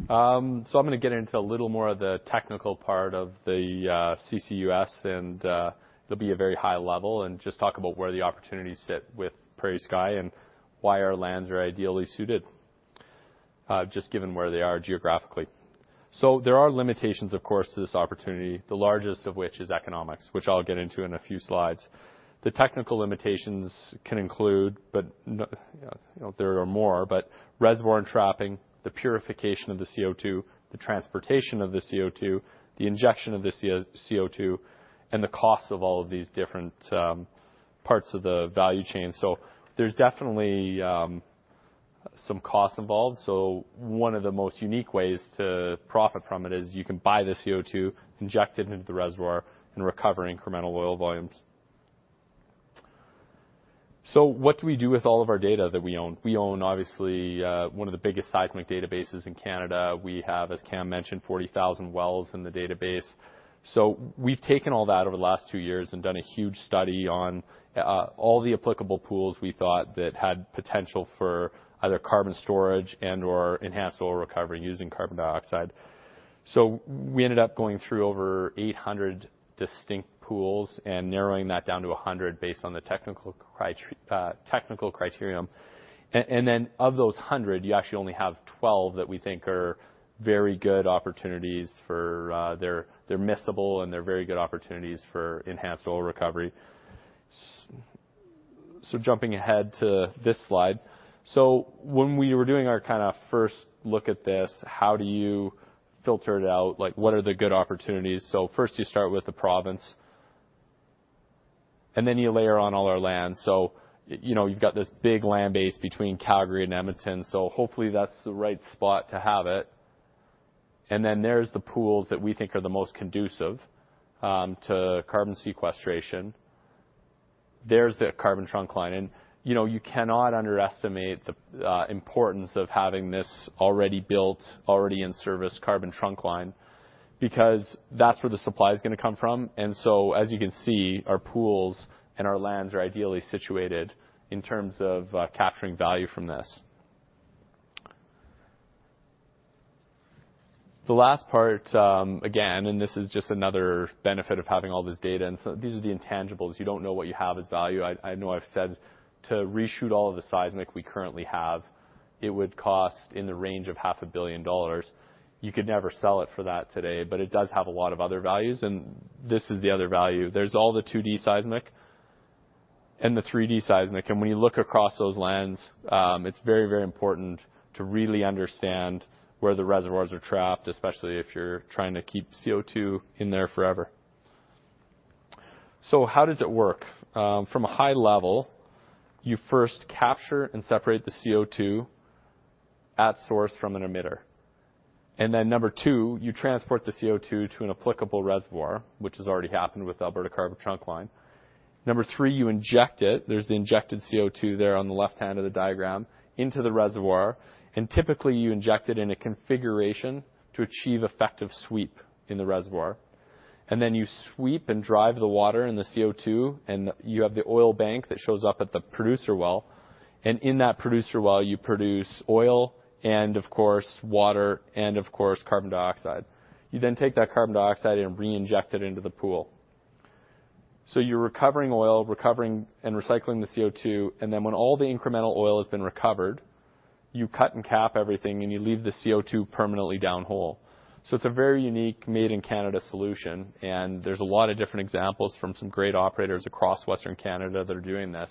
Speaker 1: I'm going to get into a little more of the technical part of the CCUS, and it'll be a very high level and just talk about where the opportunities sit with PrairieSky and why our lands are ideally suited, just given where they are geographically. There are limitations, of course, to this opportunity, the largest of which is economics, which I'll get into in a few slides. The technical limitations can include, there are more, but reservoir trapping, the purification of the CO2, the transportation of the CO2, the injection of the CO2, and the cost of all of these different parts of the value chain. There's definitely some cost involved. One of the most unique ways to profit from it is you can buy the CO2, inject it into the reservoir, and recover incremental oil volumes. What do we do with all of our data that we own? We own, obviously, one of the biggest seismic databases in Canada. We have, as Cam mentioned, 40,000 wells in the database. We've taken all that over the last two years and done a huge study on all the applicable pools we thought that had potential for either carbon storage and/or enhanced oil recovery using carbon dioxide. We ended up going through over 800 distinct pools and narrowing that down to 100 based on the technical criterion. Of those 100, you actually only have 12 that we think are very good opportunities. They're miscible, and they're very good opportunities for enhanced oil recovery. Jumping ahead to this slide. When we were doing our first look at this, how do you filter it out? What are the good opportunities? First, you start with the province, and then you layer on all our land. You've got this big land base between Calgary and Edmonton, so hopefully, that's the right spot to have it. There are the pools that we think are the most conducive to carbon sequestration. There's the Carbon Trunk Line. You cannot underestimate the importance of having this already built, already in service Carbon Trunk Line because that's where the supply is going to come from. As you can see, our pools and our lands are ideally situated in terms of capturing value from this. The last part, again, this is just another benefit of having all this data. These are the intangibles. You don't know what you have as value. I know I've said to reshoot all of the seismic we currently have, it would cost in the range of half a billion dollars. It does have a lot of other values, and this is the other value. There's all the 2D seismic and the 3D seismic. When you look across those lands, it's very, very important to really understand where the reservoirs are trapped, especially if you're trying to keep CO2 in there forever. How does it work? From a high level, you first capture and separate the CO2 at source from an emitter. Number two, you transport the CO2 to an applicable reservoir, which has already happened with Alberta Carbon Trunk Line. Number three, you inject it. There's the injected CO2 there on the left-hand of the diagram into the reservoir, and typically you inject it in a configuration to achieve effective sweep in the reservoir. You sweep and drive the water and the CO2, and you have the oil bank that shows up at the producer well. In that producer well, you produce oil and of course, water, and of course, carbon dioxide. You take that carbon dioxide and reinject it into the pool. You're recovering oil, recovering and recycling the CO2, and then when all the incremental oil has been recovered, you cut and cap everything, and you leave the CO2 permanently downhole. It's a very unique made-in-Canada solution, and there's a lot of different examples from some great operators across Western Canada that are doing this,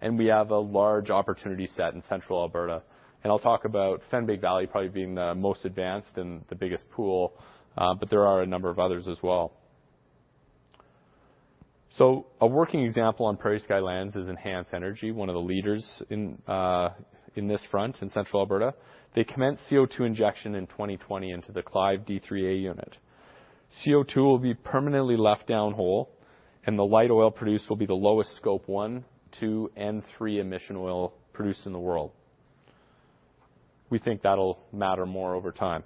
Speaker 1: and we have a large opportunity set in Central Alberta. I'll talk about Fenn-Big Valley probably being the most advanced and the biggest pool, but there are a number of others as well. A working example on PrairieSky lands is Enhance Energy, one of the leaders in this front in Central Alberta. They commenced CO2 injection in 2020 into the Clive D3A unit. CO2 will be permanently left downhole, and the light oil produced will be the lowest Scope one, two and three emission oil produced in the world. We think that'll matter more over time.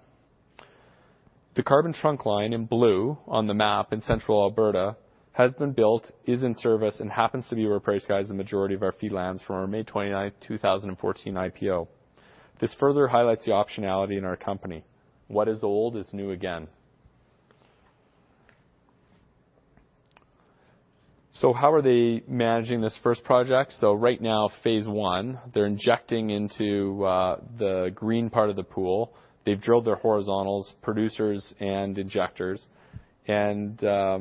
Speaker 1: The Carbon Trunk Line in blue on the map in Central Alberta has been built, is in service, and happens to be over PrairieSky's the majority of our fee lands from our May 29th, 2014, IPO. This further highlights the optionality in our company. What is old is new again. How are they managing this first project? Right now, Phase 1, they're injecting into the green part of the pool. They've drilled their horizontals, producers, and injectors. How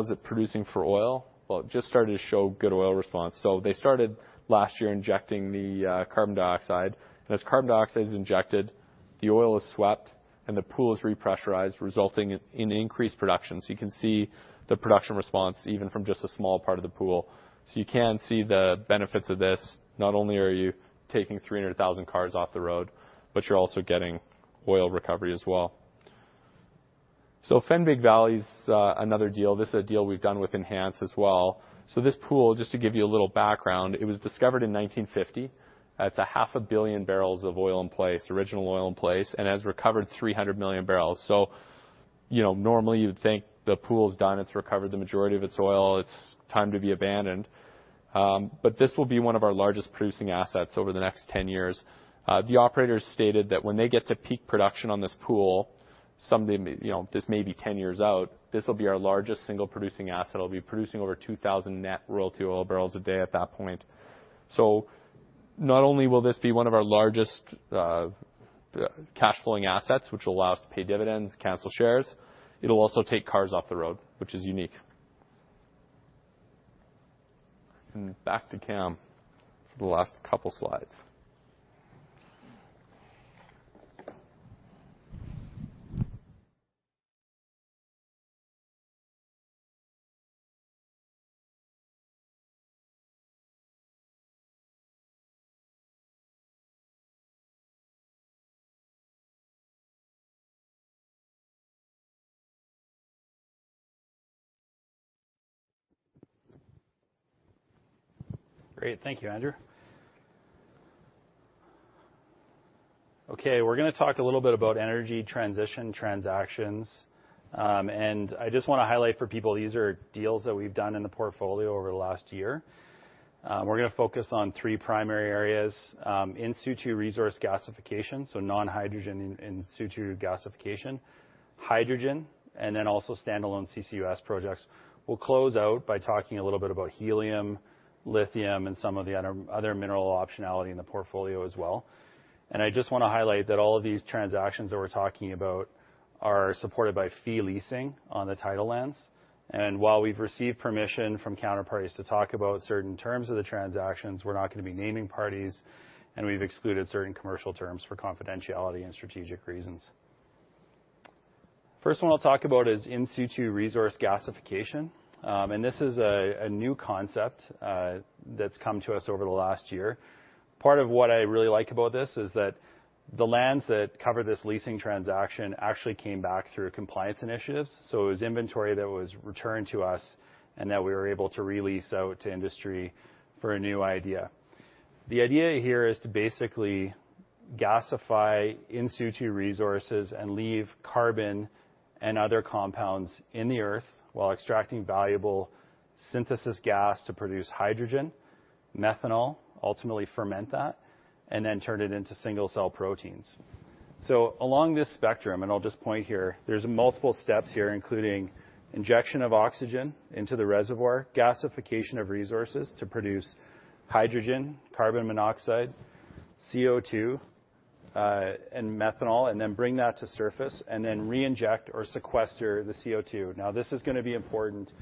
Speaker 1: is it producing for oil? It just started to show good oil response. They started last year injecting the carbon dioxide, and as carbon dioxide is injected, the oil is swept and the pool is repressurized, resulting in increased production. You can see the production response even from just a small part of the pool. You can see the benefits of this. Not only are you taking 300,000 cars off the road, but you're also getting oil recovery as well. Fenn-Big Valley's another deal. This is a deal we've done with Enhance as well. This pool, just to give you a little background, it was discovered in 1950. It's a half a billion barrels of oil in place, original oil in place, and has recovered 300 million barrels. Normally, you'd think the pool's done, it's recovered the majority of its oil, it's time to be abandoned. This will be one of our largest producing assets over the next 10 years. The operator's stated that when they get to peak production on this pool, this may be 10 years out, this will be our largest single producing asset. It'll be producing over 2,000 net royalty oil barrels a day at that point. Not only will this be one of our largest cash flowing assets, which allows to pay dividends, cancel shares, it'll also take cars off the road, which is unique. Back to Cam for the last couple slides.
Speaker 2: Great. Thank you, Andrew. Okay, we're going to talk a little bit about energy transition transactions. I just want to highlight for people; these are deals that we've done in the portfolio over the last year. We're going to focus on three primary areas: in situ resource gasification, so non-hydrogen in situ gasification, hydrogen, also standalone CCUS projects. We'll close out by talking a little bit about helium, lithium, and some of the other mineral optionality in the portfolio as well. I just want to highlight that all of these transactions that we're talking about are supported by fee leasing on the title lands. While we've received permission from counterparties to talk about certain terms of the transactions, we're not going to be naming parties, and we've excluded certain commercial terms for confidentiality and strategic reasons. First one I'll talk about is in situ resource gasification. This is a new concept that's come to us over the last year. Part of what I really like about this is that the lands that cover this leasing transaction actually came back through a compliance initiative. It was inventory that was returned to us and that we were able to re-lease out to industry for a new idea. The idea here is to basically gasify in situ resources and leave carbon and other compounds in the earth while extracting valuable synthesis gas to produce hydrogen, methanol, ultimately ferment that, and then turn it into single-cell proteins. Along this spectrum, and I'll just point here, there's multiple steps here, including injection of oxygen into the reservoir, gasification of resources to produce hydrogen, carbon monoxide, CO2, and methanol, and then bring that to surface, and then reinject or sequester the CO2. This is going to be important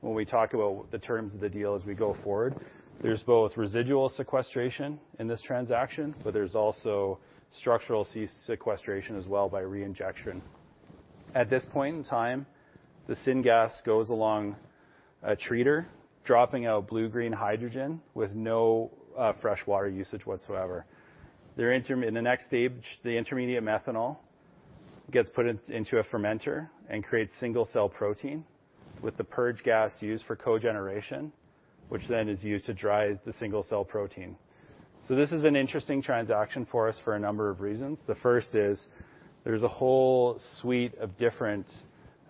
Speaker 2: when we talk about the terms of the deal as we go forward. There is residual sequestration in this transaction, but there is also structural sequestration as well by reinjection. At this point in time, the syngas goes along a treater, dropping out blue-green hydrogen with no freshwater usage whatsoever. In the next stage, the intermediate methanol gets put into a fermenter and creates single-cell protein with the purge gas used for cogeneration, which then is used to dry the single-cell protein. This is an interesting transaction for us for a number of reasons. The first is there is a whole suite of different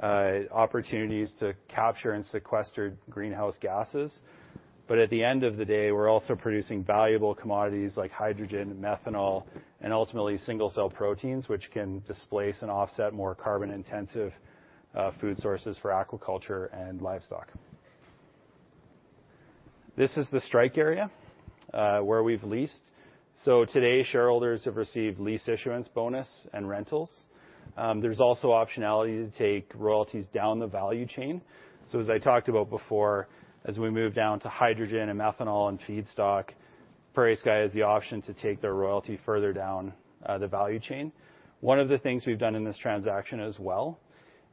Speaker 2: opportunities to capture and sequester greenhouse gases. At the end of the day, we are also producing valuable commodities like hydrogen, methanol, and ultimately single-cell proteins, which can displace and offset more carbon-intensive food sources for aquaculture and livestock. This is the strike area where we have leased. Today, shareholders have received lease issuance bonus and rentals. There's also optionality to take royalties down the value chain. as I talked about before, as we move down to hydrogen and methanol and feedstock PrairieSky has the option to take their royalty further down the value chain. One of the things we've done in this transaction as well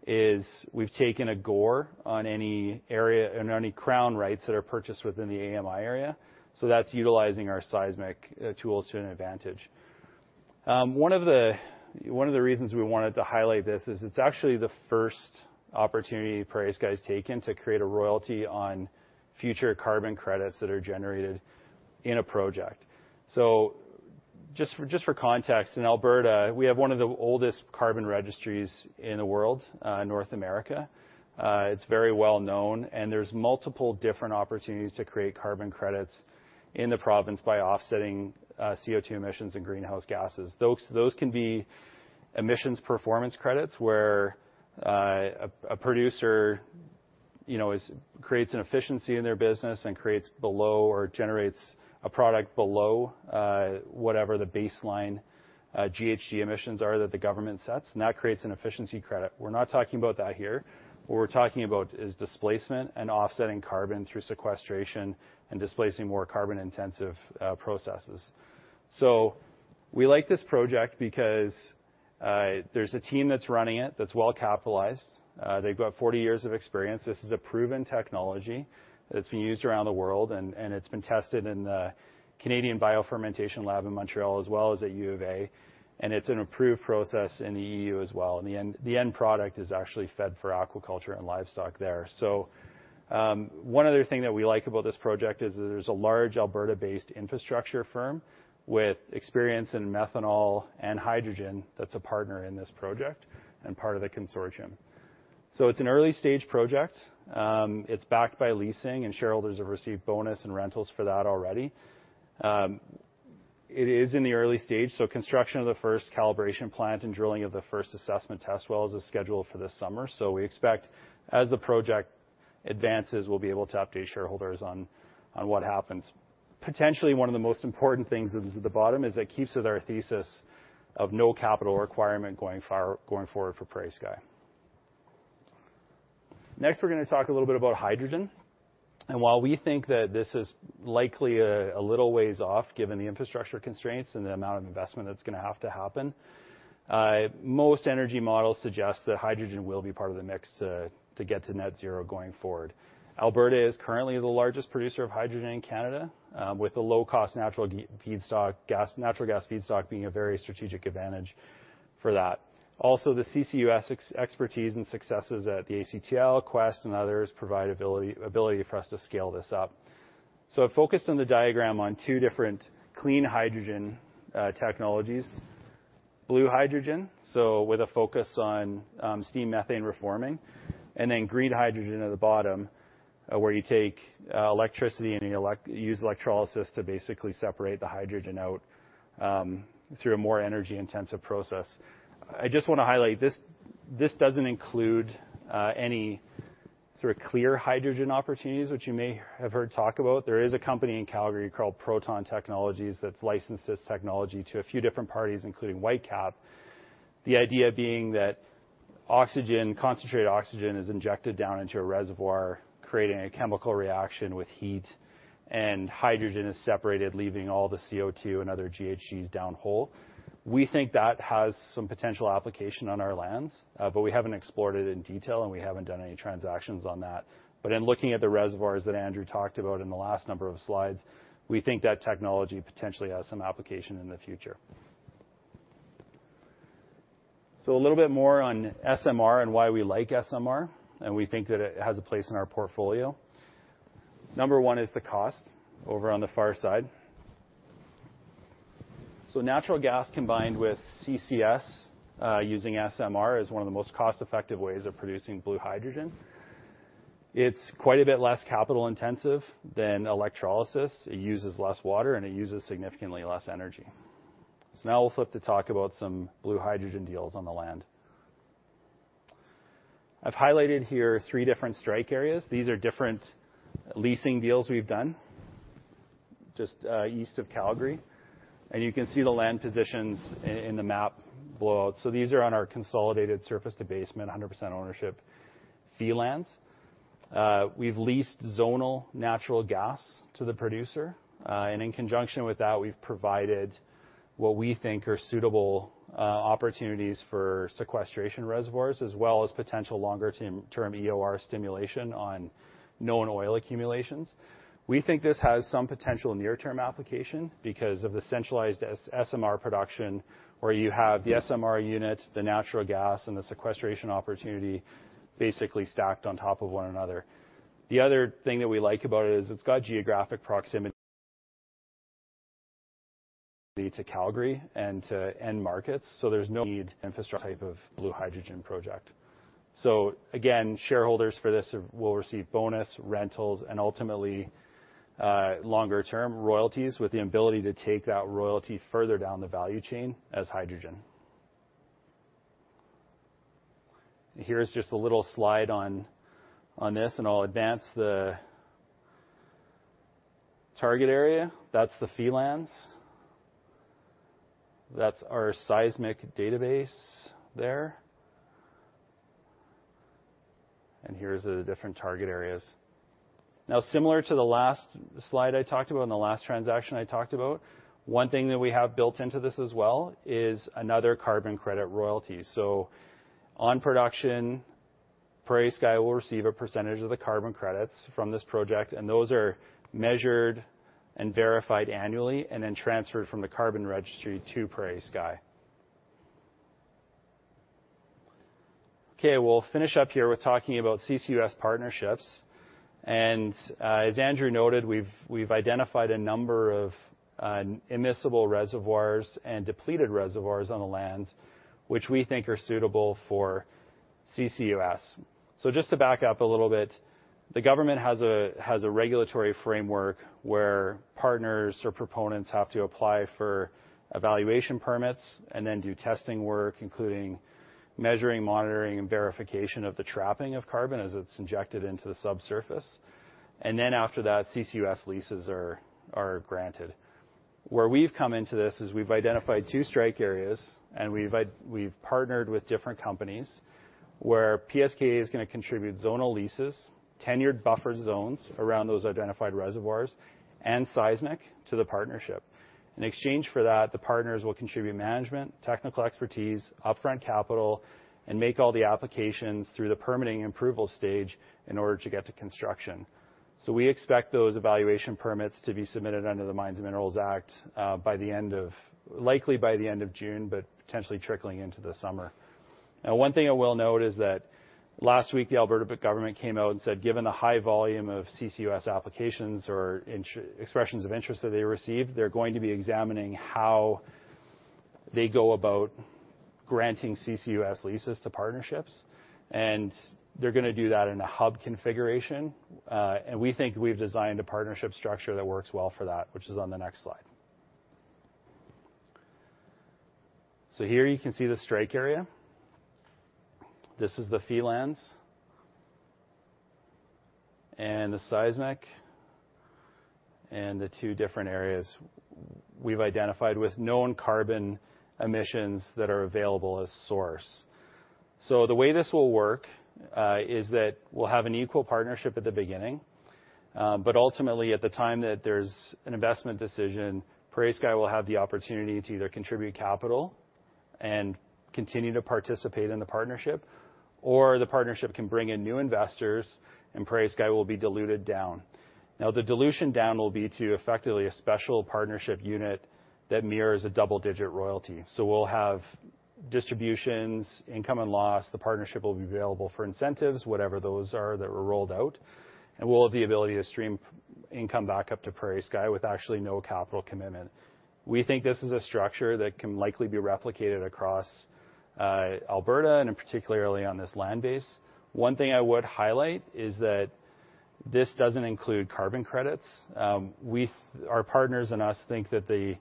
Speaker 2: is we've taken a GOR on any area and any crown rights that are purchased within the AMI area. That's utilizing our seismic tools to an advantage. One of the reasons we wanted to highlight this is it's actually the first opportunity PrairieSky has taken to create a royalty on future carbon credits that are generated in a project. Just for context, in Alberta, we have one of the oldest carbon registries in the world, North America. It's very well known, and there's multiple different opportunities to create carbon credits in the province by offsetting CO2 emissions and greenhouse gases. Those can be emissions performance credits, where a producer creates an efficiency in their business and creates below or generates a product below whatever the baseline GHG emissions are that the government sets, and that creates an efficiency credit. We're not talking about that here. What we're talking about is displacement and offsetting carbon through sequestration and displacing more carbon-intensive processes. We like this project because there's a team that's running it that's well capitalized. They've got 40 years of experience. This is a proven technology that's been used around the world, and it's been tested in the Canadian Bio fermentation Lab in Montreal, as well as at U of A, and it's an approved process in the EU as well, and the end product is actually fed for aquaculture and livestock there. One other thing that we like about this project is that there's a large Alberta-based infrastructure firm with experience in methanol and hydrogen that's a partner in this project and part of the consortium. It's an early-stage project. It's backed by leasing, and shareholders have received bonus and rentals for that already. It is in the early stage, so construction of the first calibration plant and drilling of the first assessment test well is scheduled for this summer. We expect as the project advances, we'll be able to update shareholders on what happens. Potentially one of the most important things that is at the bottom is it keeps with our thesis of no capital requirement going forward for PrairieSky. We're going to talk a little bit about hydrogen, and while we think that this is likely a little ways off, given the infrastructure constraints and the amount of investment that's going to have to happen, most energy models suggest that hydrogen will be part of the mix to get to net zero going forward. Alberta is currently the largest producer of hydrogen in Canada, with a low-cost natural gas feedstock being a very strategic advantage for that. The CCUS expertise and successes at the ACTL, Quest, and others provide ability for us to scale this up. I focused on the diagram on two different clean hydrogen technologies. Blue hydrogen, so with a focus on steam methane reforming, and then green hydrogen at the bottom, where you take electricity and you use electrolysis to basically separate the hydrogen out through a more energy-intensive process. I just want to highlight this doesn't include any sort of clear hydrogen opportunities, which you may have heard talked about. There is a company in Calgary called Proton Technologies that's licensed this technology to a few different parties, including Whitecap. The idea being that concentrated oxygen is injected down into a reservoir, creating a chemical reaction with heat, and hydrogen is separated, leaving all the CO2 and other GHGs downhole. We think that has some potential application on our lands, but we haven't explored it in detail, and we haven't done any transactions on that. In looking at the reservoirs that Andrew talked about in the last number of slides, we think that technology potentially has some application in the future. A little bit more on SMR and why we like SMR, and we think that it has a place in our portfolio. Number one is the cost over on the far side. Natural gas combined with CCS using SMR is one of the most cost-effective ways of producing blue hydrogen. It's quite a bit less capital-intensive than electrolysis. It uses less water, and it uses significantly less energy. Now we'll flip to talk about some blue hydrogen deals on the land. I've highlighted here three different strike areas. These are different leasing deals we've done just east of Calgary, and you can see the land positions in the map below it. These are on our consolidated surface to basement 100% ownership fee lands. We've leased zonal natural gas to the producer, and in conjunction with that, we've provided what we think are suitable opportunities for sequestration reservoirs as well as potential longer-term EOR stimulation on known oil accumulations. We think this has some potential near-term application because of the centralized SMR production where you have the SMR unit, the natural gas, and the sequestration opportunity basically stacked on top of one another. The other thing that we like about it is it's got geographic proximity to Calgary and to end markets, so there's no need type of blue hydrogen project. Again, shareholders for this will receive bonus rentals and ultimately longer-term royalties with the ability to take that royalty further down the value chain as hydrogen. Here's just a little slide on this, and I'll advance the target area. That's the fee lands. That's our seismic database there. Here's the different target areas. Now, similar to the last slide I talked about and the last transaction I talked about, one thing that we have built into this as well is another carbon credit royalty. On production, PrairieSky will receive a percentage of the carbon credits from this project, and those are measured and verified annually, and then transferred from the carbon registry to PrairieSky. Okay, we'll finish up here with talking about CCUS partnerships. As Andrew noted, we've identified a number of immiscible reservoirs and depleted reservoirs on the lands, which we think are suitable for CCUS. Just to back up a little bit, the government has a regulatory framework where partners or proponents have to apply for evaluation permits and then do testing work, including measuring, monitoring, and verification of the trapping of carbon as it's injected into the subsurface. After that, CCUS leases are granted. Where we've come into this is we've identified two strike areas. We've partnered with different companies where PrairieSky Royalty is going to contribute zonal leases, tenured buffer zones around those identified reservoirs, and seismic to the partnership. In exchange for that, the partners will contribute management, technical expertise, upfront capital, and make all the applications through the permitting approval stage in order to get to construction. We expect those evaluation permits to be submitted under the Mines and Minerals Act likely by the end of June but potentially trickling into the summer. One thing I will note is that last week, the Alberta government came out and said given the high volume of CCUS applications or expressions of interest that they received, they're going to be examining how they go about granting CCUS leases to partnerships. They're going to do that in a hub configuration. We think we've designed a partnership structure that works well for that, which is on the next slide. Here you can see the strike area. This is the fee lands and the seismic, and the two different areas we've identified with known carbon emissions that are available as source. The way this will work, is that we'll have an equal partnership at the beginning. Ultimately, at the time that there's an investment decision, PrairieSky will have the opportunity to either contribute capital and continue to participate in the partnership, or the partnership can bring in new investors, and PrairieSky will be diluted down. The dilution down will be to effectively a special partnership unit that mirrors a double-digit royalty. We'll have distributions, income, and loss. The partnership will be available for incentives, whatever those are that were rolled out. We'll have the ability to stream income back up to PrairieSky with actually no capital commitment. We think this is a structure that can likely be replicated across Alberta and particularly on this land base. One thing I would highlight is that this doesn't include carbon credits. Our partners and us think that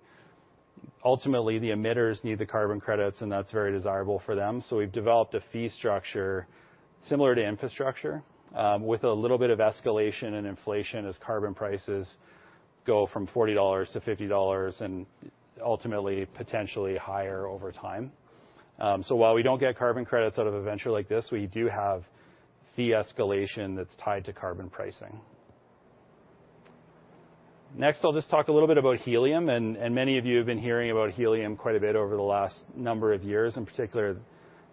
Speaker 2: ultimately the emitters need the carbon credits, and that's very desirable for them. We've developed a fee structure similar to infrastructure, with a little bit of escalation and inflation as carbon prices go from 40-50 dollars and ultimately potentially higher over time. While we don't get carbon credits out of a venture like this, we do have fee escalation that's tied to carbon pricing. Next, I'll just talk a little bit about helium. Many of you have been hearing about helium quite a bit over the last number of years, in particular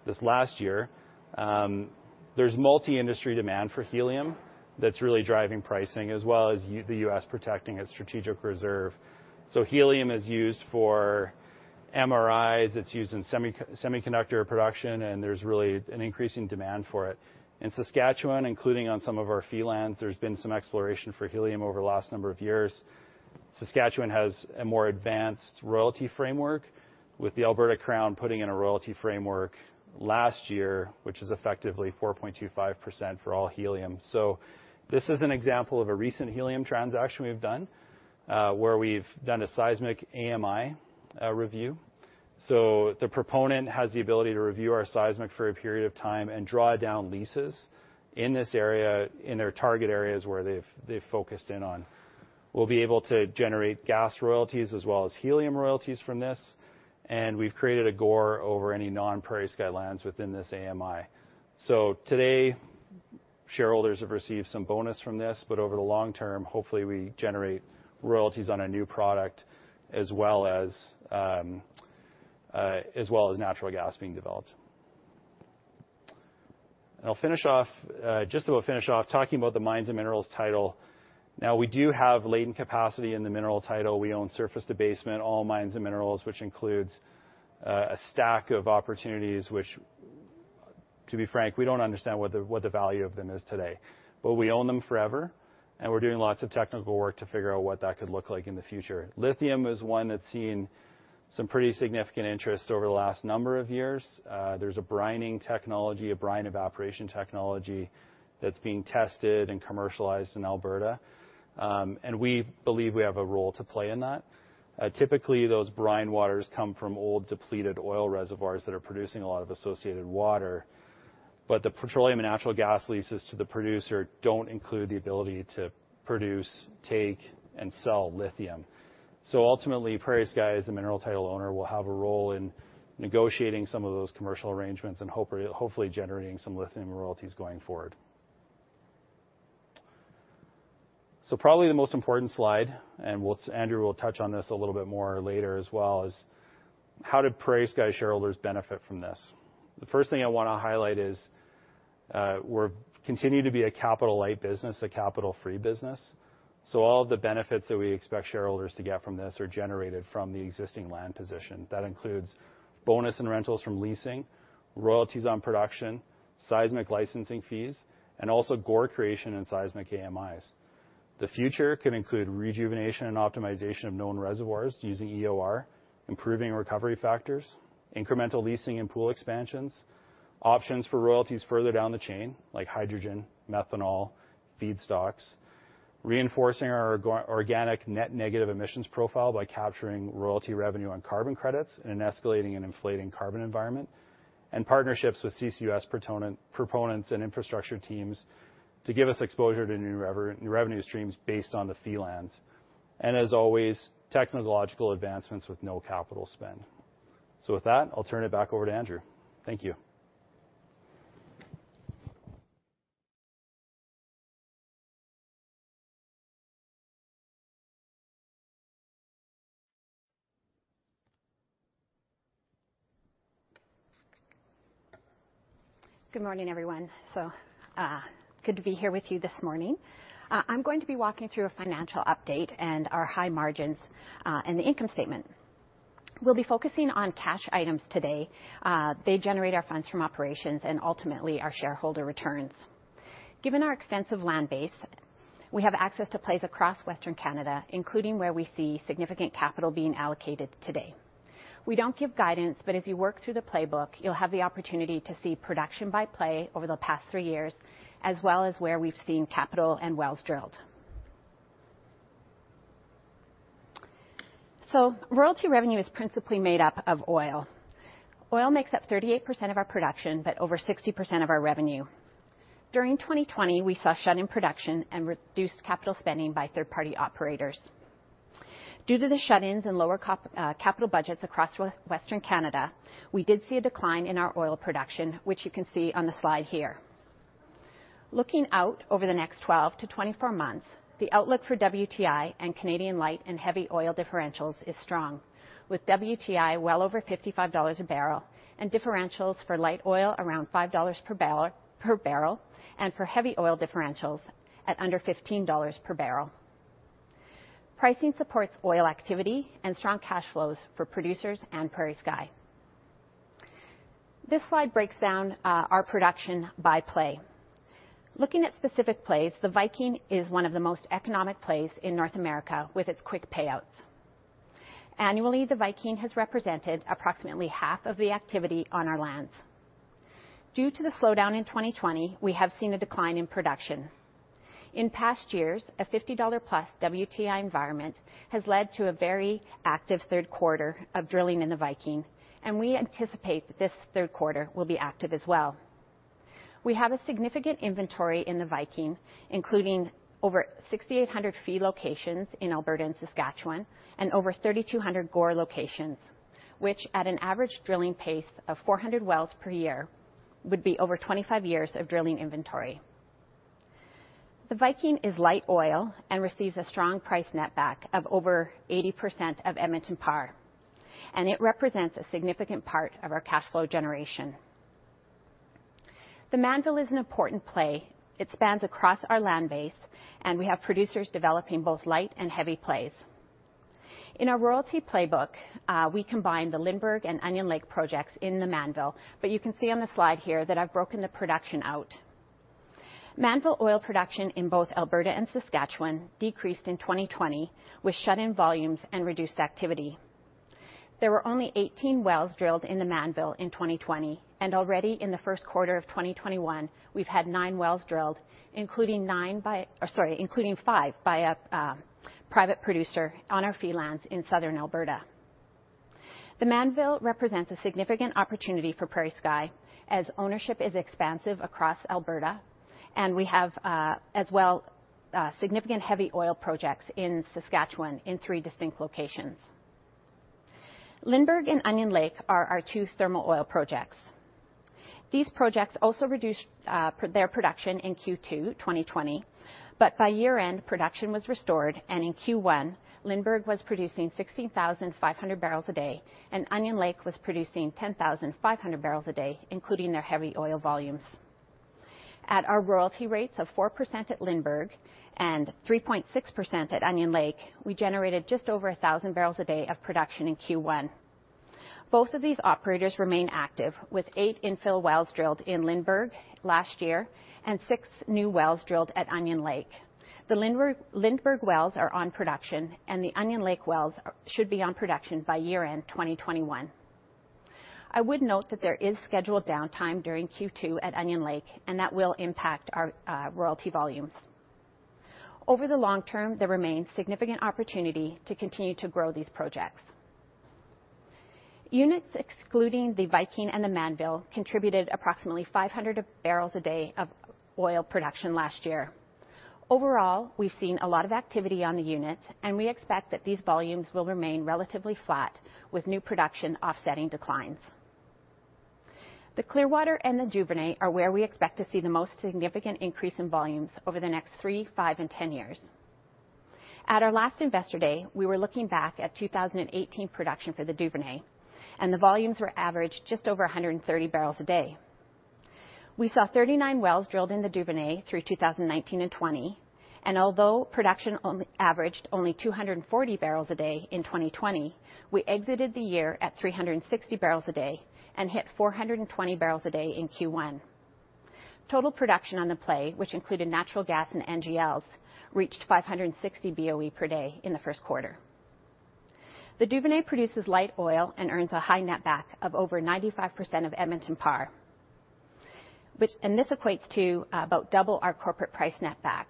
Speaker 2: this last year. There's multi-industry demand for helium that's really driving pricing, as well as the U.S. protecting its strategic reserve. Helium is used for MRIs. It's used in semiconductor production, and there's really an increasing demand for it. In Saskatchewan, including on some of our fee lands, there's been some exploration for helium over the last number of years. Saskatchewan has a more advanced royalty framework with the Alberta Crown putting in a royalty framework last year, which is effectively 4.25% for all helium. This is an example of a recent helium transaction we've done, where we've done a seismic AMI review. The proponent has the ability to review our seismic for a period of time and draw down leases in this area, in their target areas where they've focused in on. We'll be able to generate gas royalties as well as helium royalties from this. We've created a GOR over any non-PrairieSky lands within this AMI. Today, shareholders have received some bonus from this, but over the long term, hopefully, we generate royalties on a new product as well as natural gas being developed. I'll finish off talking about the mines and minerals title. We do have latent capacity in the mineral title. We own surface to basement, all mines and minerals, which includes a stack of opportunities, which, to be frank, we don't understand what the value of them is today. We own them forever, and we're doing lots of technical work to figure out what that could look like in the future. Lithium is one that's seen some pretty significant interest over the last number of years. There's a brining technology, a brine evaporation technology that's being tested and commercialized in Alberta. We believe we have a role to play in that. Typically, those brine waters come from old, depleted oil reservoirs that are producing a lot of associated water. The petroleum and natural gas leases to the producer don't include the ability to produce, take, and sell lithium. Ultimately, PrairieSky as a mineral title owner will have a role in negotiating some of those commercial arrangements and hopefully generating some lithium royalties going forward. Probably the most important slide, and Andrew will touch on this a little bit more later as well, is how do PrairieSky shareholders benefit from this? The first thing I want to highlight is we continue to be a capital-light business, a capital-free business. All the benefits that we expect shareholders to get from this are generated from the existing land position. That includes bonus and rentals from leasing, royalties on production, seismic licensing fees, and also GORR creation and seismic AMIs. The future can include rejuvenation and optimization of known reservoirs using EOR, improving recovery factors, incremental leasing and pool expansions, options for royalties further down the chain, like hydrogen, methanol, feedstocks. Reinforcing our organic net negative emissions profile by capturing royalty revenue on carbon credits in an escalating and inflating carbon environment. Partnerships with CCS proponents and infrastructure teams to give us exposure to new revenue streams based on the fee lands. As always, technological advancements with no capital spend. With that, I'll turn it back over to Andrew. Thank you.
Speaker 3: Good morning, everyone. Good to be here with you this morning. I'm going to be walking through a financial update and our high margins in the income statement. We'll be focusing on cash items today. They generate our funds from operations and ultimately our shareholder returns. Given our extensive land base, we have access to plays across Western Canada, including where we see significant capital being allocated today. We don't give guidance, but if you work through the playbook, you'll have the opportunity to see production by play over the past three years, as well as where we've seen capital and wells drilled. Royalty revenue is principally made up of oil. Oil makes up 38% of our production, but over 60% of our revenue. During 2020, we saw shut-in production and reduced capital spending by third-party operators. Due to the shut-ins and lower capital budgets across Western Canada, we did see a decline in our oil production, which you can see on the slide here. Looking out over the next 12-24 months, the outlook for WTI and Canadian light and heavy oil differentials is strong, with WTI well over $55 a barrel and differentials for light oil around 5 dollars per barrel, and for heavy oil differentials at under 15 dollars per barrel. Pricing supports oil activity and strong cash flows for producers and PrairieSky. This slide breaks down our production by play. Looking at specific plays, the Viking is one of the most economic plays in North America with its quick payouts. Annually, the Viking has represented approximately half of the activity on our lands. Due to the slowdown in 2020, we have seen a decline in production. In past years, a $50-plus WTI environment has led to a very active Q3 of drilling in the Viking, and we anticipate that this Q3 will be active as well. We have a significant inventory in the Viking, including over 6,800 fee locations in Alberta and Saskatchewan and over 3,200 GORR locations, which at an average drilling pace of 400 wells per year, would be over 25 years of drilling inventory. The Viking is light oil and receives a strong price netback of over 80% of Edmonton Par, and it represents a significant part of our cash flow generation. The Mannville is an important play. It spans across our land base, and we have producers developing both light and heavy. In our royalty playbook, we combine the Lindbergh and Onion Lake projects in the Mannville, but you can see on the slide here that I've broken the production out. Mannville oil production in both Alberta and Saskatchewan decreased in 2020 with shut-in volumes and reduced activity. There were only 18 wells drilled in the Mannville in 2020, and already in the Q1 of 2021, we've had nine wells drilled, including five by a private producer on our fee lands in Southern Alberta. The Mannville represents a significant opportunity for PrairieSky as ownership is expansive across Alberta, and we have as well significant heavy oil projects in Saskatchewan in three distinct locations. Lindbergh and Onion Lake are our two thermal oil projects. These projects also reduced their production in Q2 2020, but by year-end, production was restored, and in Q1, Lindbergh was producing 16,500 barrels a day, and Onion Lake was producing 10,500 barrels a day, including their heavy oil volumes. At our royalty rates of 4% at Lindbergh and 3.6% at Onion Lake, we generated just over 1,000 barrels a day of production in Q1. Both of these operators remain active with eight infill wells drilled in Lindbergh last year and six new wells drilled at Onion Lake. The Lindbergh wells are on production, and the Onion Lake wells should be on production by year-end 2021. I would note that there is scheduled downtime during Q2 at Onion Lake, and that will impact our royalty volumes. Over the long term, there remains significant opportunity to continue to grow these projects. Units excluding the Viking and the Mannville contributed approximately 500 barrels a day of oil production last year. Overall, we've seen a lot of activity on the units, and we expect that these volumes will remain relatively flat with new production offsetting declines. The Clearwater and the Duvernay are where we expect to see the most significant increase in volumes over the next three, five, and 10 years. At our last Investor Day, we were looking back at 2018 production for the Duvernay, and the volumes were averaged just over 130 barrels a day. We saw 39 wells drilled in the Duvernay through 2019 and 2020, and although production averaged only 240 barrels a day in 2020, we exited the year at 360 barrels a day and hit 420 barrels a day in Q1 Total production on the play, which included natural gas and NGLs, reached 560 BOE per day in the Q1. The Duvernay produces light oil and earns a high netback of over 95% of Edmonton Par. This equates to about double our corporate price netback.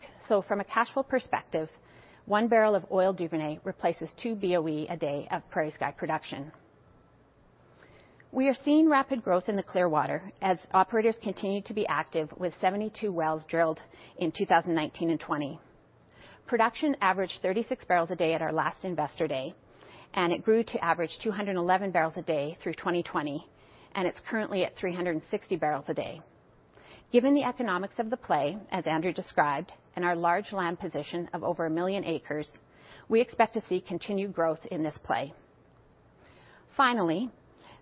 Speaker 3: From a cash flow perspective, one barrel of oil Duvernay replaces two BOE a day of PrairieSky production. We are seeing rapid growth in the Clearwater as operators continue to be active with 72 wells drilled in 2019 and 2020. Production averaged 36 barrels a day at our last Investor Day. It grew to average 211 barrels a day through 2020. It's currently at 360 barrels a day. Given the economics of the play, as Andrew described, our large land position of over a million acres, we expect to see continued growth in this play. Finally,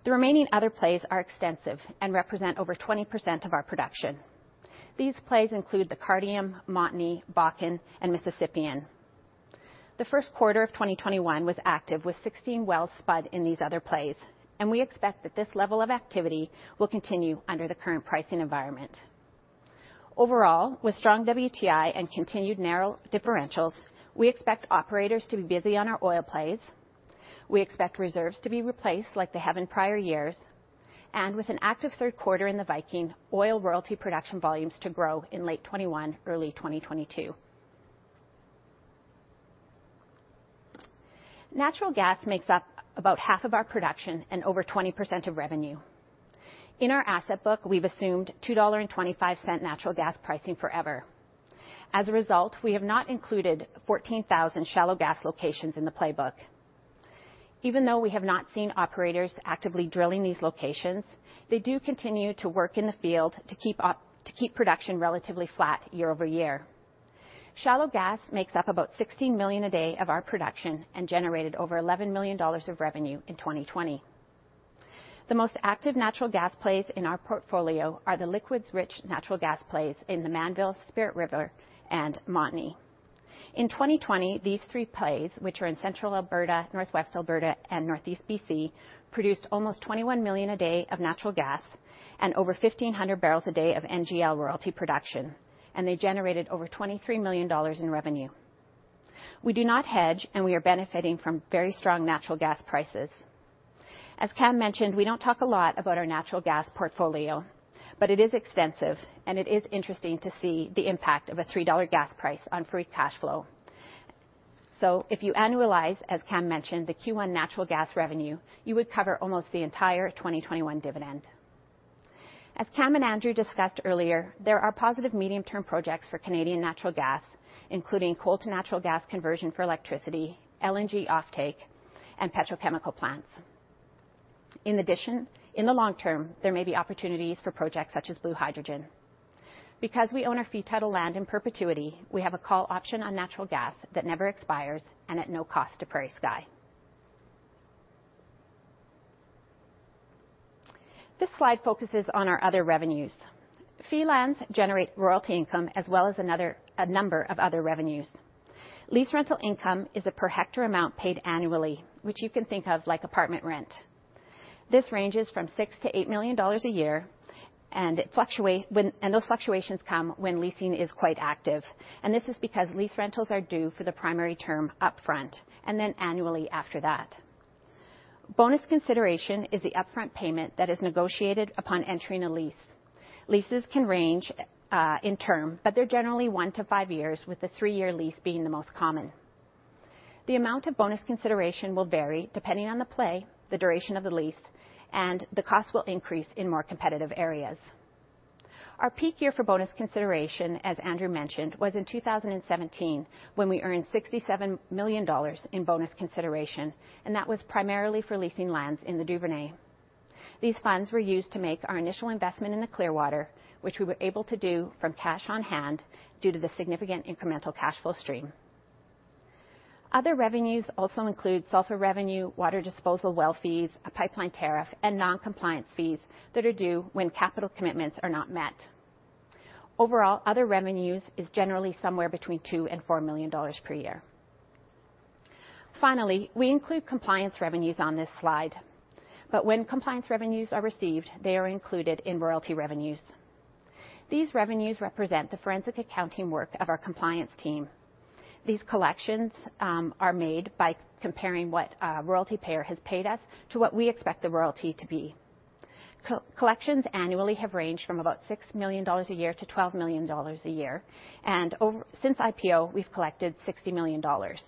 Speaker 3: the remaining other plays are extensive and represent over 20% of our production. These plays include the Cardium, Montney, Bakken, and Mississippian. The Q1 of 2021 was active with 16 wells spud in these other plays, and we expect that this level of activity will continue under the current pricing environment. Overall, with strong WTI and continued narrow differentials, we expect operators to be busy on our oil plays. We expect reserves to be replaced like they have in prior years and with an active Q3 in the Viking, oil royalty production volumes to grow in late '21, early 2022. Natural gas makes up about half of our production and over 20% of revenue. In our asset book, we've assumed 2.25 dollar natural gas pricing forever. As a result, we have not included 14,000 shallow gas locations in the playbook. Even though we have not seen operators actively drilling these locations, they do continue to work in the field to keep production relatively flat year-over-year. Shallow gas makes up about 16 million a day of our production and generated over 11 million dollars of revenue in 2020. The most active natural gas plays in our portfolio are the liquids-rich natural gas plays in the Mannville, Spirit River, and Montney. In 2020, these three plays, which are in central Alberta, Northwest Alberta, and Northeast BC, produced almost 21 million a day of natural gas and over 1,500 barrels a day of NGL royalty production. They generated over 23 million dollars in revenue. We do not hedge. We are benefiting from very strong natural gas prices. As Cam mentioned, we don't talk a lot about our natural gas portfolio, but it is extensive, and it is interesting to see the impact of a 3 dollar gas price on free cash flow. If you annualize, as Cam mentioned, the Q1 natural gas revenue, you will cover almost the entire 2021 dividend. As Cam and Andrew discussed earlier, there are positive medium-term projects for Canadian natural gas, including coal to natural gas conversion for electricity, LNG offtake, and petrochemical plants. In addition, in the long term, there may be opportunities for projects such as blue hydrogen. Because we own a fee title land in perpetuity, we have a call option on natural gas that never expires and at no cost to PrairieSky. This slide focuses on our other revenues. Fee lands generate royalty income as well as a number of other revenues. Lease rental income is a per hectare amount paid annually, which you can think of like apartment rent. This ranges from 6-8 million dollars a year, and those fluctuations come when leasing is quite active, and this is because lease rentals are due for the primary term upfront and then annually after that. Bonus consideration is the upfront payment that is negotiated upon entering a lease. Leases can range in term, but they're generally one to five years, with the three-year lease being the most common. The amount of bonus consideration will vary depending on the play, the duration of the lease, and the cost will increase in more competitive areas. Our peak year for bonus consideration, as Andrew mentioned, was in 2017 when we earned 67 million dollars in bonus consideration, and that was primarily for leasing lands in the Duvernay. These funds were used to make our initial investment in the Clearwater, which we were able to do from cash on hand due to the significant incremental cash flow stream. Other revenues also include sulfur revenue, water disposal well fees, a pipeline tariff, and non-compliance fees that are due when capital commitments are not met. Overall, other revenues are generally somewhere between 2 million and 4 million dollars per year. Finally, we include compliance revenues on this slide, but when compliance revenues are received, they are included in royalty revenues. These revenues represent the forensic accounting work of our compliance team. These collections are made by comparing what a royalty payer has paid us to what we expect the royalty to be. Collections annually have ranged from about 6 million dollars a year to 12 million dollars a year, and since IPO, we've collected 60 million dollars.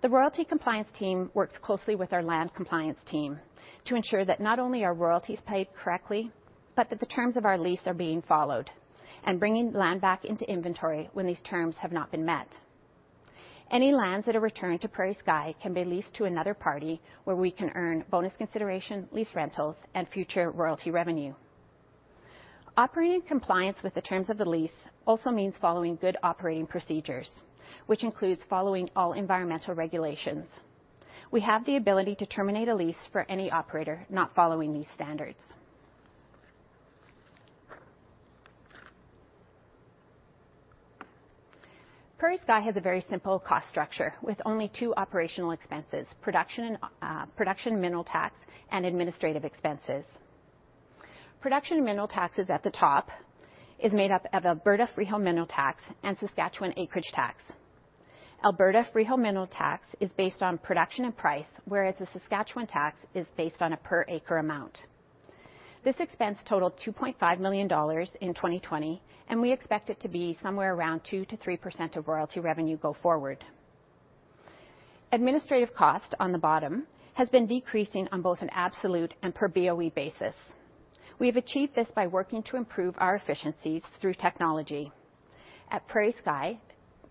Speaker 3: The royalty compliance team works closely with our land compliance team to ensure that not only are royalties paid correctly, but that the terms of our lease are being followed and bringing land back into inventory when these terms have not been met. Any lands that are returned to PrairieSky Royalty can be leased to another party where we can earn bonus consideration, lease rentals, and future royalty revenue. Operating in compliance with the terms of the lease also means following good operating procedures, which includes following all environmental regulations. We have the ability to terminate a lease for any operator not following these standards. PrairieSky Royalty has a very simple cost structure with only two operational expenses, production mineral tax, and administrative expenses. Production mineral taxes at the top is made up of Alberta's freehold mineral tax and Saskatchewan acreage tax. Alberta's freehold mineral tax is based on production and price, whereas the Saskatchewan tax is based on a per acre amount. This expense totaled 2.5 million dollars in 2020, and we expect it to be somewhere around 2%-3% of royalty revenue go forward. Administrative cost on the bottom has been decreasing on both an absolute and per BOE basis. We've achieved this by working to improve our efficiencies through technology. At PrairieSky,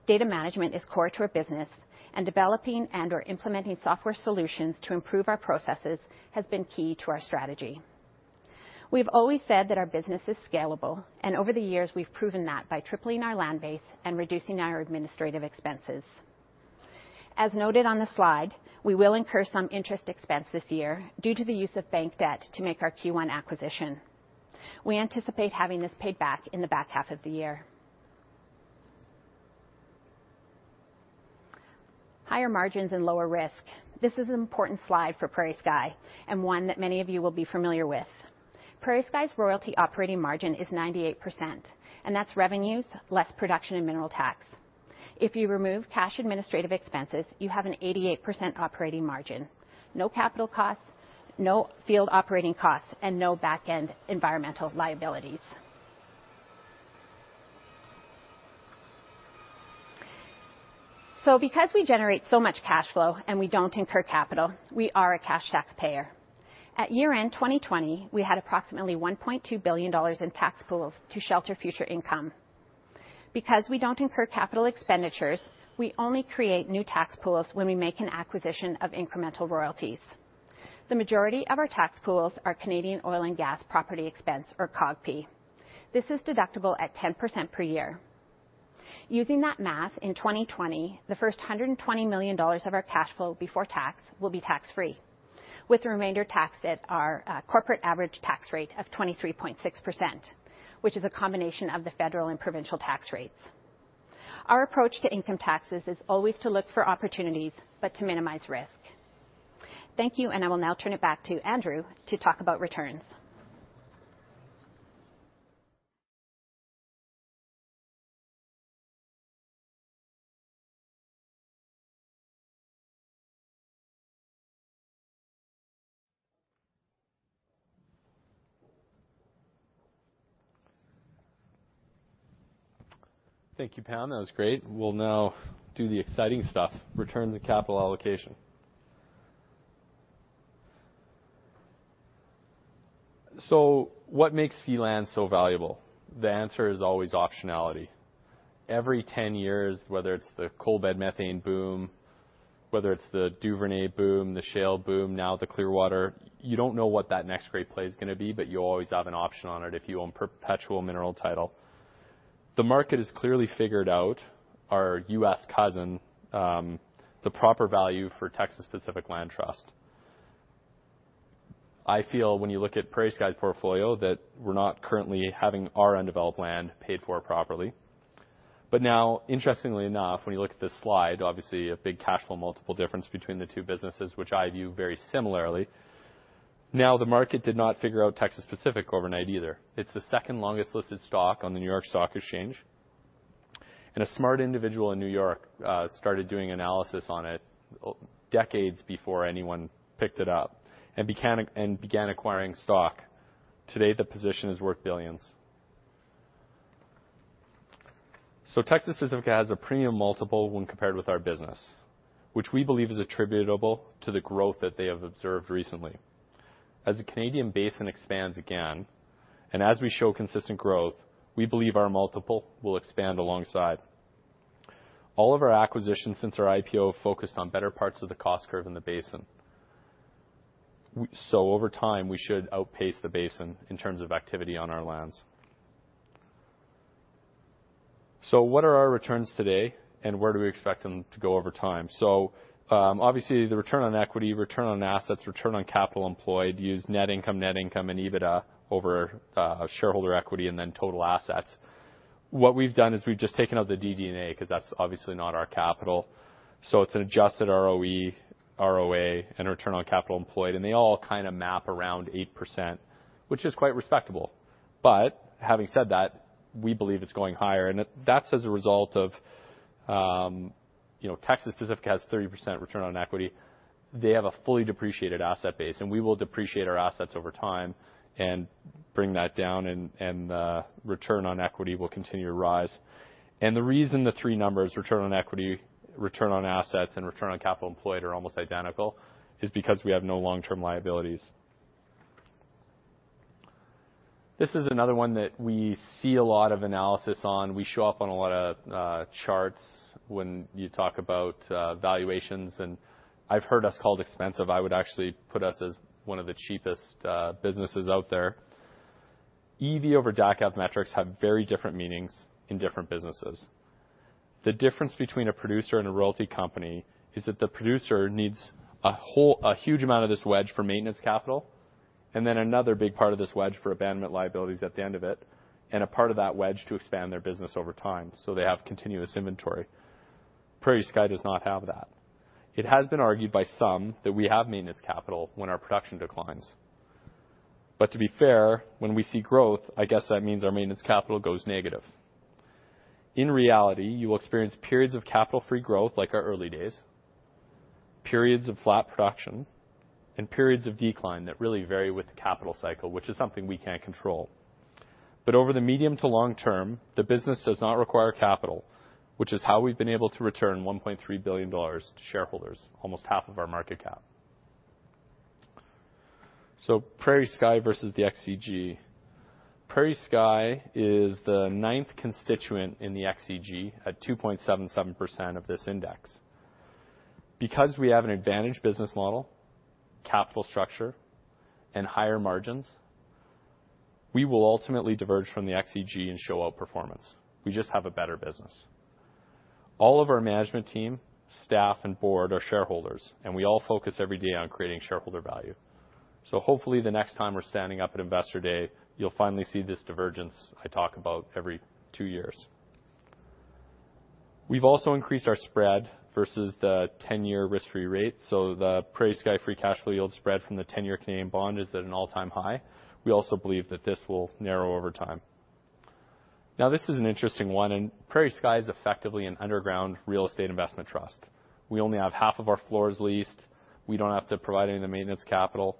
Speaker 3: data management is core to our business and developing and/or implementing software solutions to improve our processes has been key to our strategy. We've always said that our business is scalable, and over the years, we've proven that by tripling our land base and reducing our administrative expenses. As noted on the slide, we will incur some interest expense this year due to the use of bank debt to make our Q1 acquisition. We anticipate having this paid back in the back half of the year. Higher margins and lower risk. This is an important slide for PrairieSky and one that many of you will be familiar with. PrairieSky's royalty operating margin is 98%, and that's revenues less production and mineral tax. If you remove cash administrative expenses, you have an 88% operating margin, no capital costs, no field operating costs, and no back-end environmental liabilities. Because we generate so much cash flow and we don't incur capital, we are a cash taxpayer. At year-end 2020, we had approximately 1.2 billion dollars in tax pools to shelter future income. Because we don't incur capital expenditures, we only create new tax pools when we make an acquisition of incremental royalties. The majority of our tax pools are Canadian Oil and Gas Property Expense, or COGPE. This is deductible at 10% per year. Using that math, in 2020, the first 120 million dollars of our cash flow before tax will be tax-free, with the remainder taxed at our corporate average tax rate of 23.6%, which is a combination of the federal and provincial tax rates. Our approach to income taxes is always to look for opportunities but to minimize risk. Thank you. I will now turn it back to Andrew to talk about returns.
Speaker 1: Thank you, Pam. That was great. We'll now do the exciting stuff, returns and capital allocation. What makes land so valuable? The answer is always optionality. Every 10 years, whether it's the coalbed methane boom, whether it's the Duvernay boom, the shale boom, now the Clearwater, you don't know what that next great play is going to be, you always have an option on it if you own perpetual mineral title. The market has clearly figured out our U.S. cousin, the proper value for Texas Pacific Land Trust. I feel when you look at PrairieSky's portfolio that we're not currently having our undeveloped land paid for properly. Now, interestingly enough, when you look at this slide, obviously a big cash flow multiple difference between the two businesses, which I view very similarly. Now, the market did not figure out Texas Pacific overnight either. It's the second-longest listed stock on the New York Stock Exchange. A smart individual in New York started doing analysis on it decades before anyone picked it up and began acquiring stock. Today, the position is worth billions. Texas Pacific has a premium multiple when compared with our business, which we believe is attributable to the growth that they have observed recently. As the Canadian basin expands again, and as we show consistent growth, we believe our multiple will expand alongside. All of our acquisitions since our IPO focused on better parts of the cost curve in the basin. Over time, we should outpace the basin in terms of activity on our lands. What are our returns today, and where do we expect them to go over time? Obviously, the return on equity, return on assets, return on capital employed use net income, and EBITDA over shareholder equity and then total assets. What we've done is we've just taken out the DD&A because that's obviously not our capital. It's an adjusted ROE, ROA, and return on capital employed, and they all kind of map around 8%, which is quite respectable. Having said that, we believe it's going higher, and that's as a result of Texas Pacific has 30% return on equity. They have a fully depreciated asset base, and we will depreciate our assets over time and bring that down, and return on equity will continue to rise. The reason the three numbers, return on equity, return on assets, and return on capital employed, are almost identical is because we have no long-term liabilities. This is another one that we see a lot of analysis on. We show up on a lot of charts when you talk about valuations, and I've heard us called expensive. I would actually put us as one of the cheapest businesses out there. EV over DACF metrics have very different meanings in different businesses. The difference between a producer and a royalty company is that the producer needs a huge amount of this wedge for maintenance capital, then another big part of this wedge for abandonment liabilities at the end of it, and a part of that wedge to expand their business over time, so they have continuous inventory. PrairieSky does not have that. It has been argued by some that we have maintenance capital when our production declines. To be fair, when we see growth, I guess that means our maintenance capital goes negative. In reality, you will experience periods of capital-free growth like our early days, periods of flat production, and periods of decline that really vary with the capital cycle, which is something we can't control. Over the medium to long term, the business does not require capital, which is how we've been able to return 1.3 billion dollars to shareholders, almost half of our market cap. PrairieSky versus the XEG. PrairieSky is the ninth constituent in the XEG at 2.77% of this index. We have an advantaged business model, capital structure, and higher margins, we will ultimately diverge from the XEG and show outperformance. We just have a better business. All of our management team, staff, and board are shareholders, and we all focus every day on creating shareholder value. Hopefully, the next time we're standing up at Investor Day, you'll finally see this divergence I talk about every two years. We've also increased our spread versus the 10-year risk-free rate. The PrairieSky free cash flow yield spread from the 10-year Canadian bond is at an all-time high. We also believe that this will narrow over time. This is an interesting one, PrairieSky is effectively an underground real estate investment trust. We only have half of our floors leased. We don't have to provide any maintenance capital.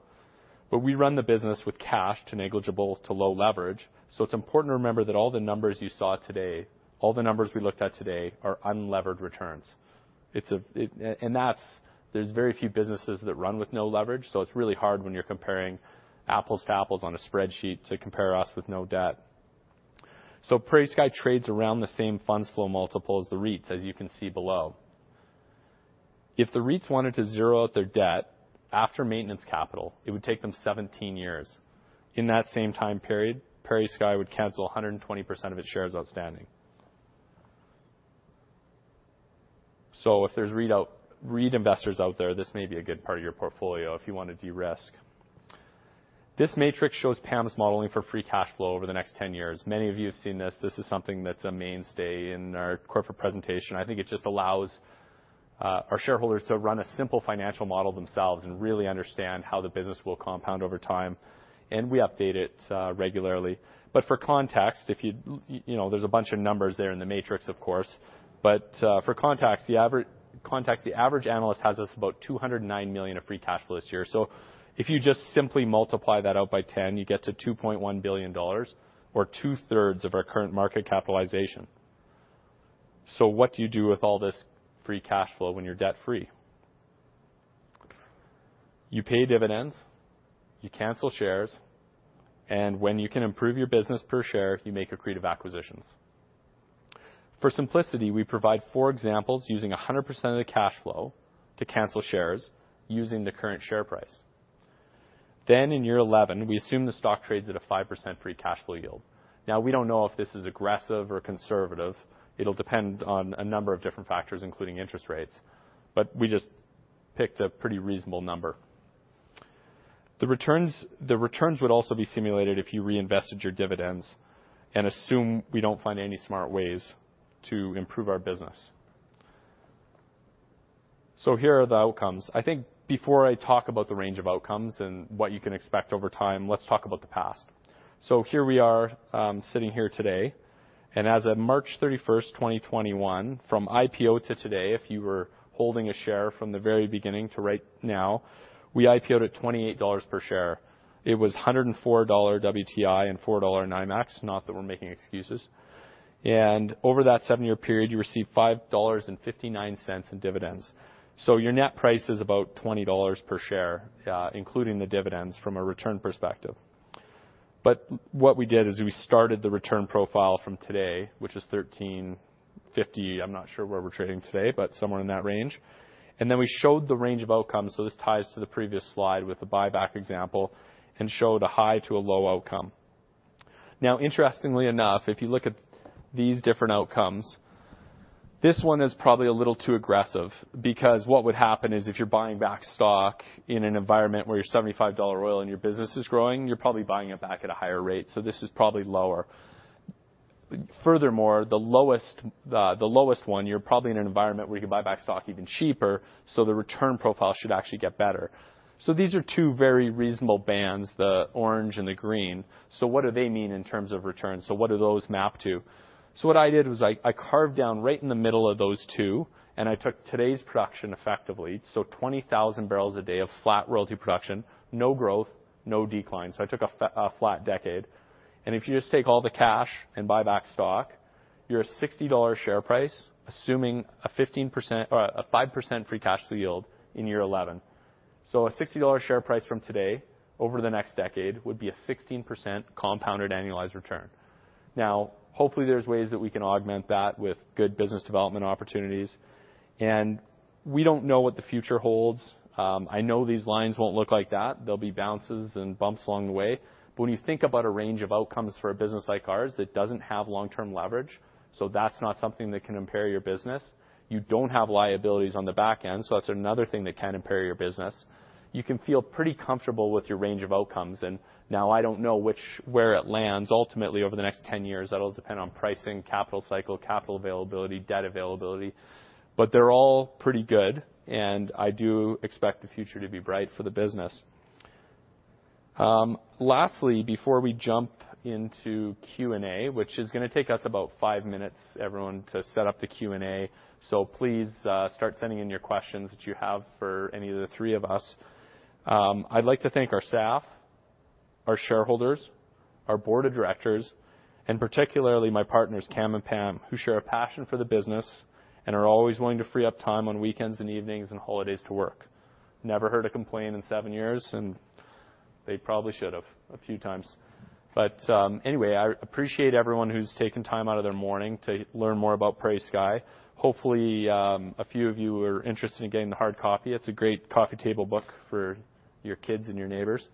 Speaker 1: We run the business with cash to negligible to low leverage, so it's important to remember that all the numbers you saw today, all the numbers we looked at today are unlevered returns. There are very few businesses that run with no leverage. It's really hard when you're comparing apples to apples on a spreadsheet to compare us with no debt. PrairieSky trades around the same funds flow multiple as the REITs, as you can see below. If the REITs wanted to zero out their debt after maintenance capital, it would take them 17 years. In that same time period, PrairieSky would cancel 120% of its shares outstanding. If there are REIT investors out there, this may be a good part of your portfolio if you want to de-risk. This matrix shows Pam's modeling for free cash flow over the next 10 years. Many of you have seen this. This is something that's a mainstay in our corporate presentation. I think it just allows our shareholders to run a simple financial model themselves and really understand how the business will compound over time, and we update it regularly. For context, there's a bunch of numbers there in the matrix, of course. For context, the average analyst has us about 209 million of free cash flow this year. If you just simply multiply that out by 10, you get to 2.1 billion dollars or two-thirds of our current market capitalization. What do you do with all this free cash flow when you're debt-free? You pay dividends, you cancel shares, and when you can improve your business per share, you make accretive acquisitions. For simplicity, we provide four examples using 100% of the cash flow to cancel shares using the current share price. In year 11, we assume the stock trades at a 5% free cash flow yield. We don't know if this is aggressive or conservative. It will depend on a number of different factors, including interest rates. We just picked a pretty reasonable number. The returns would also be simulated if you reinvested your dividends and assume we don't find any smart ways to improve our business. Here are the outcomes. I think before I talk about the range of outcomes and what you can expect over time, let's talk about the past. Here we are sitting here today, and as of March 31st, 2021, from IPO to today if you were holding a share from the very beginning to right now, we IPO'd at 28 dollars per share. It was $104 WTI and $4 NYMEX, not that we are making excuses. Over that seven-year period, you received 5.59 dollars in dividends. Your net price is about 20 dollars per share, including the dividends from a return perspective. What we did is we started the return profile from today, which is 13.50. I'm not sure where we're trading today, but somewhere in that range. We showed the range of outcomes, so this ties to the previous slide with the buyback example and showed a high to a low outcome. Now, interestingly enough, if you look at these different outcomes, this one is probably a little too aggressive because what would happen is if you're buying back stock in an environment where you're 75 dollar oil and your business is growing, you're probably buying it back at a higher rate, so this is probably lower. The lowest one, you're probably in an environment where you can buy back stock even cheaper, so the return profile should actually get better. These are two very reasonable bands, the orange and the green. What do they mean in terms of returns? What do those map to? What I did was I carved down right in the middle of those two, and I took today's production effectively, so 20,000 barrels a day of flat royalty production, no growth, no decline. I took a flat decade, and if you just take all the cash and buy back stock, you're at 60 dollar share price, assuming a 5% free cash flow yield in year 11. A 60 dollar share price from today over the next decade would be a 16% compounded annualized return. Hopefully, there's ways that we can augment that with good business development opportunities. We don't know what the future holds. I know these lines won't look like that. There'll be bounces and bumps along the way. When you think about a range of outcomes for a business like ours that doesn't have long-term leverage, that's not something that can impair your business. You don't have liabilities on the back end, that's another thing that can impair your business. You can feel pretty comfortable with your range of outcomes. Now I don't know where it lands ultimately over the next 10 years. That'll depend on pricing, capital cycle, capital availability, debt availability, they're all pretty good, I do expect the future to be bright for the business. Lastly, before we jump into Q&A, which is going to take us about five minutes, everyone, to set up the Q&A, please start sending in your questions that you have for any of the three of us. I'd like to thank our staff, our shareholders, our board of directors, and particularly my partners, Cam and Pam, who share a passion for the business and are always willing to free up time on weekends and evenings and holidays to work. Never heard a complaint in seven years, they probably should have a few times. Anyway, I appreciate everyone who's taken time out of their morning to learn more about PrairieSky. Hopefully, a few of you are interested in getting the hard copy. It's a great coffee table book for your kids and your neighbors.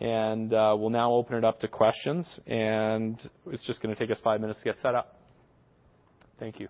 Speaker 1: We'll now open it up to questions, and it's just going to take us five minutes to get set up. Thank you.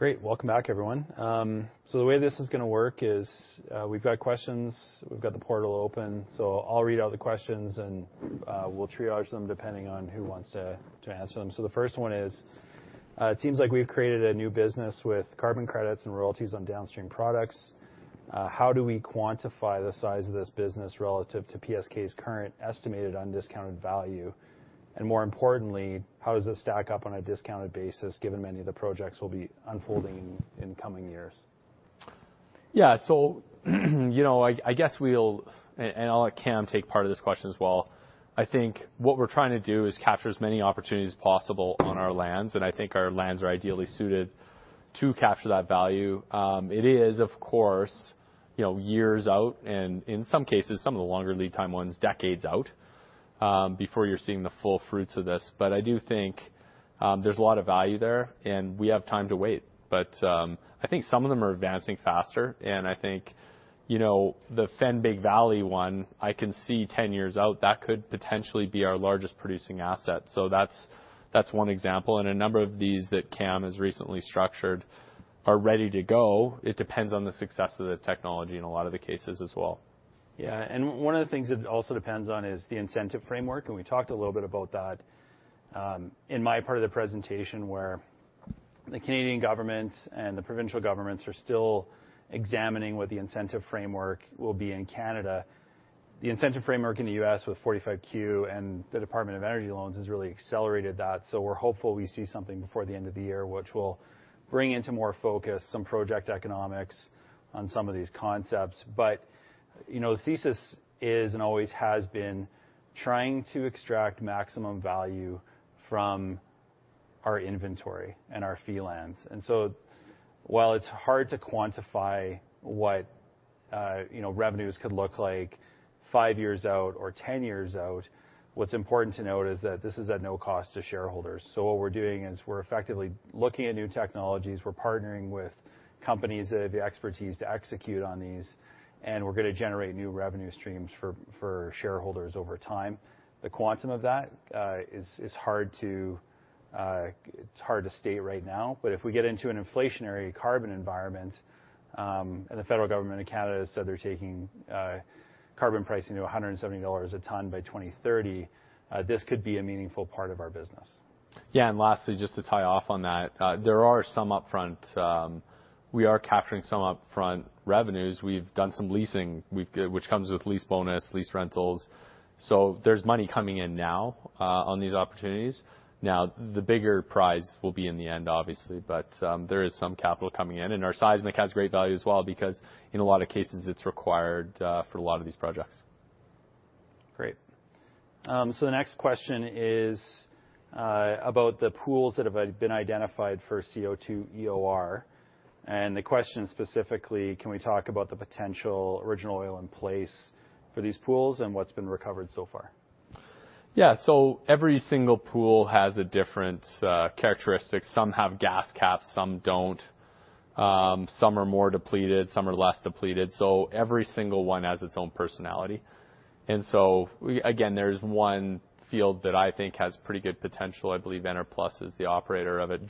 Speaker 2: Great. Welcome back, everyone. The way this is going to work is we've got questions, we've got the portal open. I'll read out the questions, and we'll triage them depending on who wants to answer them. The first one is, "It seems like we've created a new business with carbon credits and royalties on downstream products. How do we quantify the size of this business relative to PrairieSky Royalty's current estimated undiscounted value? More importantly, how does this stack up on a discounted basis given many of the projects will be unfolding in coming years?"
Speaker 1: Yeah. I'll let Cam take part of this question as well. I think what we're trying to do is capture as many opportunities as possible on our lands, and I think our lands are ideally suited to capture that value. It is, of course, years out, and in some cases, some of the longer lead time ones, decades out before you're seeing the full fruits of this. I do think there's a lot of value there, and we have time to wait. I think some of them are advancing faster, and I think the Fenn-Big Valley one, I can see 10 years out, that could potentially be our largest producing asset. That's one example. A number of these that Cam has recently structured are ready to go. It depends on the success of the technology in a lot of the cases as well.
Speaker 2: Yeah. One of the things it also depends on is the incentive framework, and we talked a little bit about that in my part of the presentation where the Canadian government and the provincial governments are still examining what the incentive framework will be in Canada. The incentive framework in the U.S. with 45Q and the Department of Energy loans has really accelerated that. We're hopeful we see something before the end of the year, which will bring into more focus some project economics on some of these concepts. The thesis is and always has been trying to extract maximum value from our inventory and our fee lands. While it's hard to quantify what revenues could look like five years out or 10 years out, what's important to note is that this is at no cost to shareholders. What we're doing is we're effectively looking at new technologies. We're partnering with companies that have the expertise to execute on these, and we're going to generate new revenue streams for shareholders over time. The quantum of that is hard to state right now. If we get into an inflationary carbon environment, and the federal government of Canada said they're taking carbon pricing to 170 dollars a ton by 2030, this could be a meaningful part of our business.
Speaker 1: Lastly, just to tie off on that, we are capturing some upfront revenues. We've done some leasing, which comes with lease bonus, lease rentals. There's money coming in now on these opportunities. The bigger prize will be in the end, obviously, but there is some capital coming in, and our seismic has great value as well because in a lot of cases, it's required for a lot of these projects.
Speaker 2: Great. The next question is about the pools that have been identified for CO2 EOR. The question specifically, can we talk about the potential original oil in place for these pools and what's been recovered so far?
Speaker 1: Yeah. Every single pool has a different characteristic. Some have gas caps, some don't. Some are more depleted; some are less depleted. Every single one has its own personality. Again, there's one field that I think has pretty good potential. I believe Enerplus is the operator of it,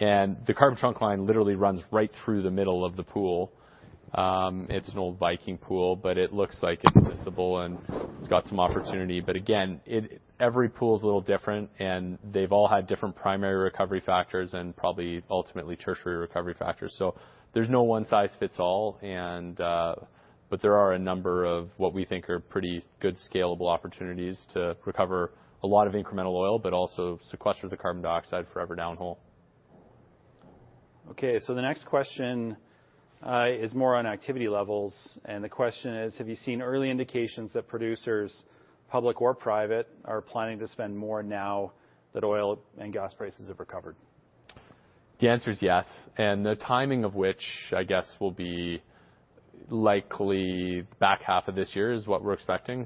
Speaker 1: Joarcam. The Carbon Trunk Line literally runs right through the middle of the pool. It's an old Viking pool. It looks like it's miscible, and it's got some opportunity. Again, every pool is a little different, and they've all had different primary recovery factors and probably ultimately tertiary recovery factors. There's no one size fits all, but there are a number of what we think are pretty good scalable opportunities to recover a lot of incremental oil but also sequester the carbon dioxide forever downhole.
Speaker 2: Okay. The next question is more on activity levels, and the question is, have you seen early indications that producers, public or private, are planning to spend more now that oil and gas prices have recovered?
Speaker 1: The answer is yes. The timing of which, I guess, will be likely the back half of this year is what we're expecting.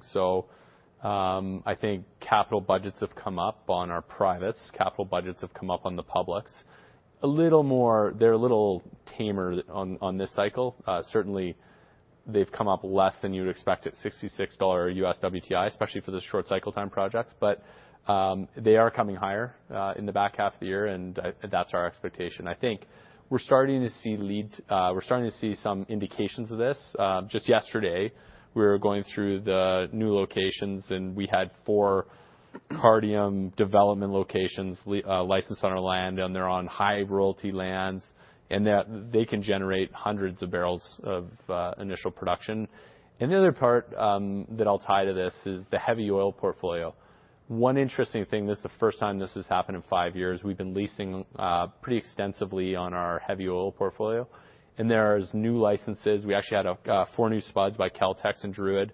Speaker 1: I think capital budgets have come up on our privates. Capital budgets have come up on the publics. They're a little tamer on this cycle. Certainly, they've come up less than you'd expect at 66 U.S. WTI, especially for the short cycle time projects. They are coming higher in the back half of the year, and that's our expectation. I think we're starting to see some indications of this. Just yesterday, we were going through the new locations, and we had four Cardium development locations licensed on our land, and they're on high royalty lands, and they can generate hundreds of barrels of initial production. The other part that I'll tie to this is the heavy oil portfolio. One interesting thing, this is the first time this has happened in five years, we've been leasing pretty extensively on our heavy oil portfolio, and there's new licenses. We actually had four new spuds by Caltex in Druid.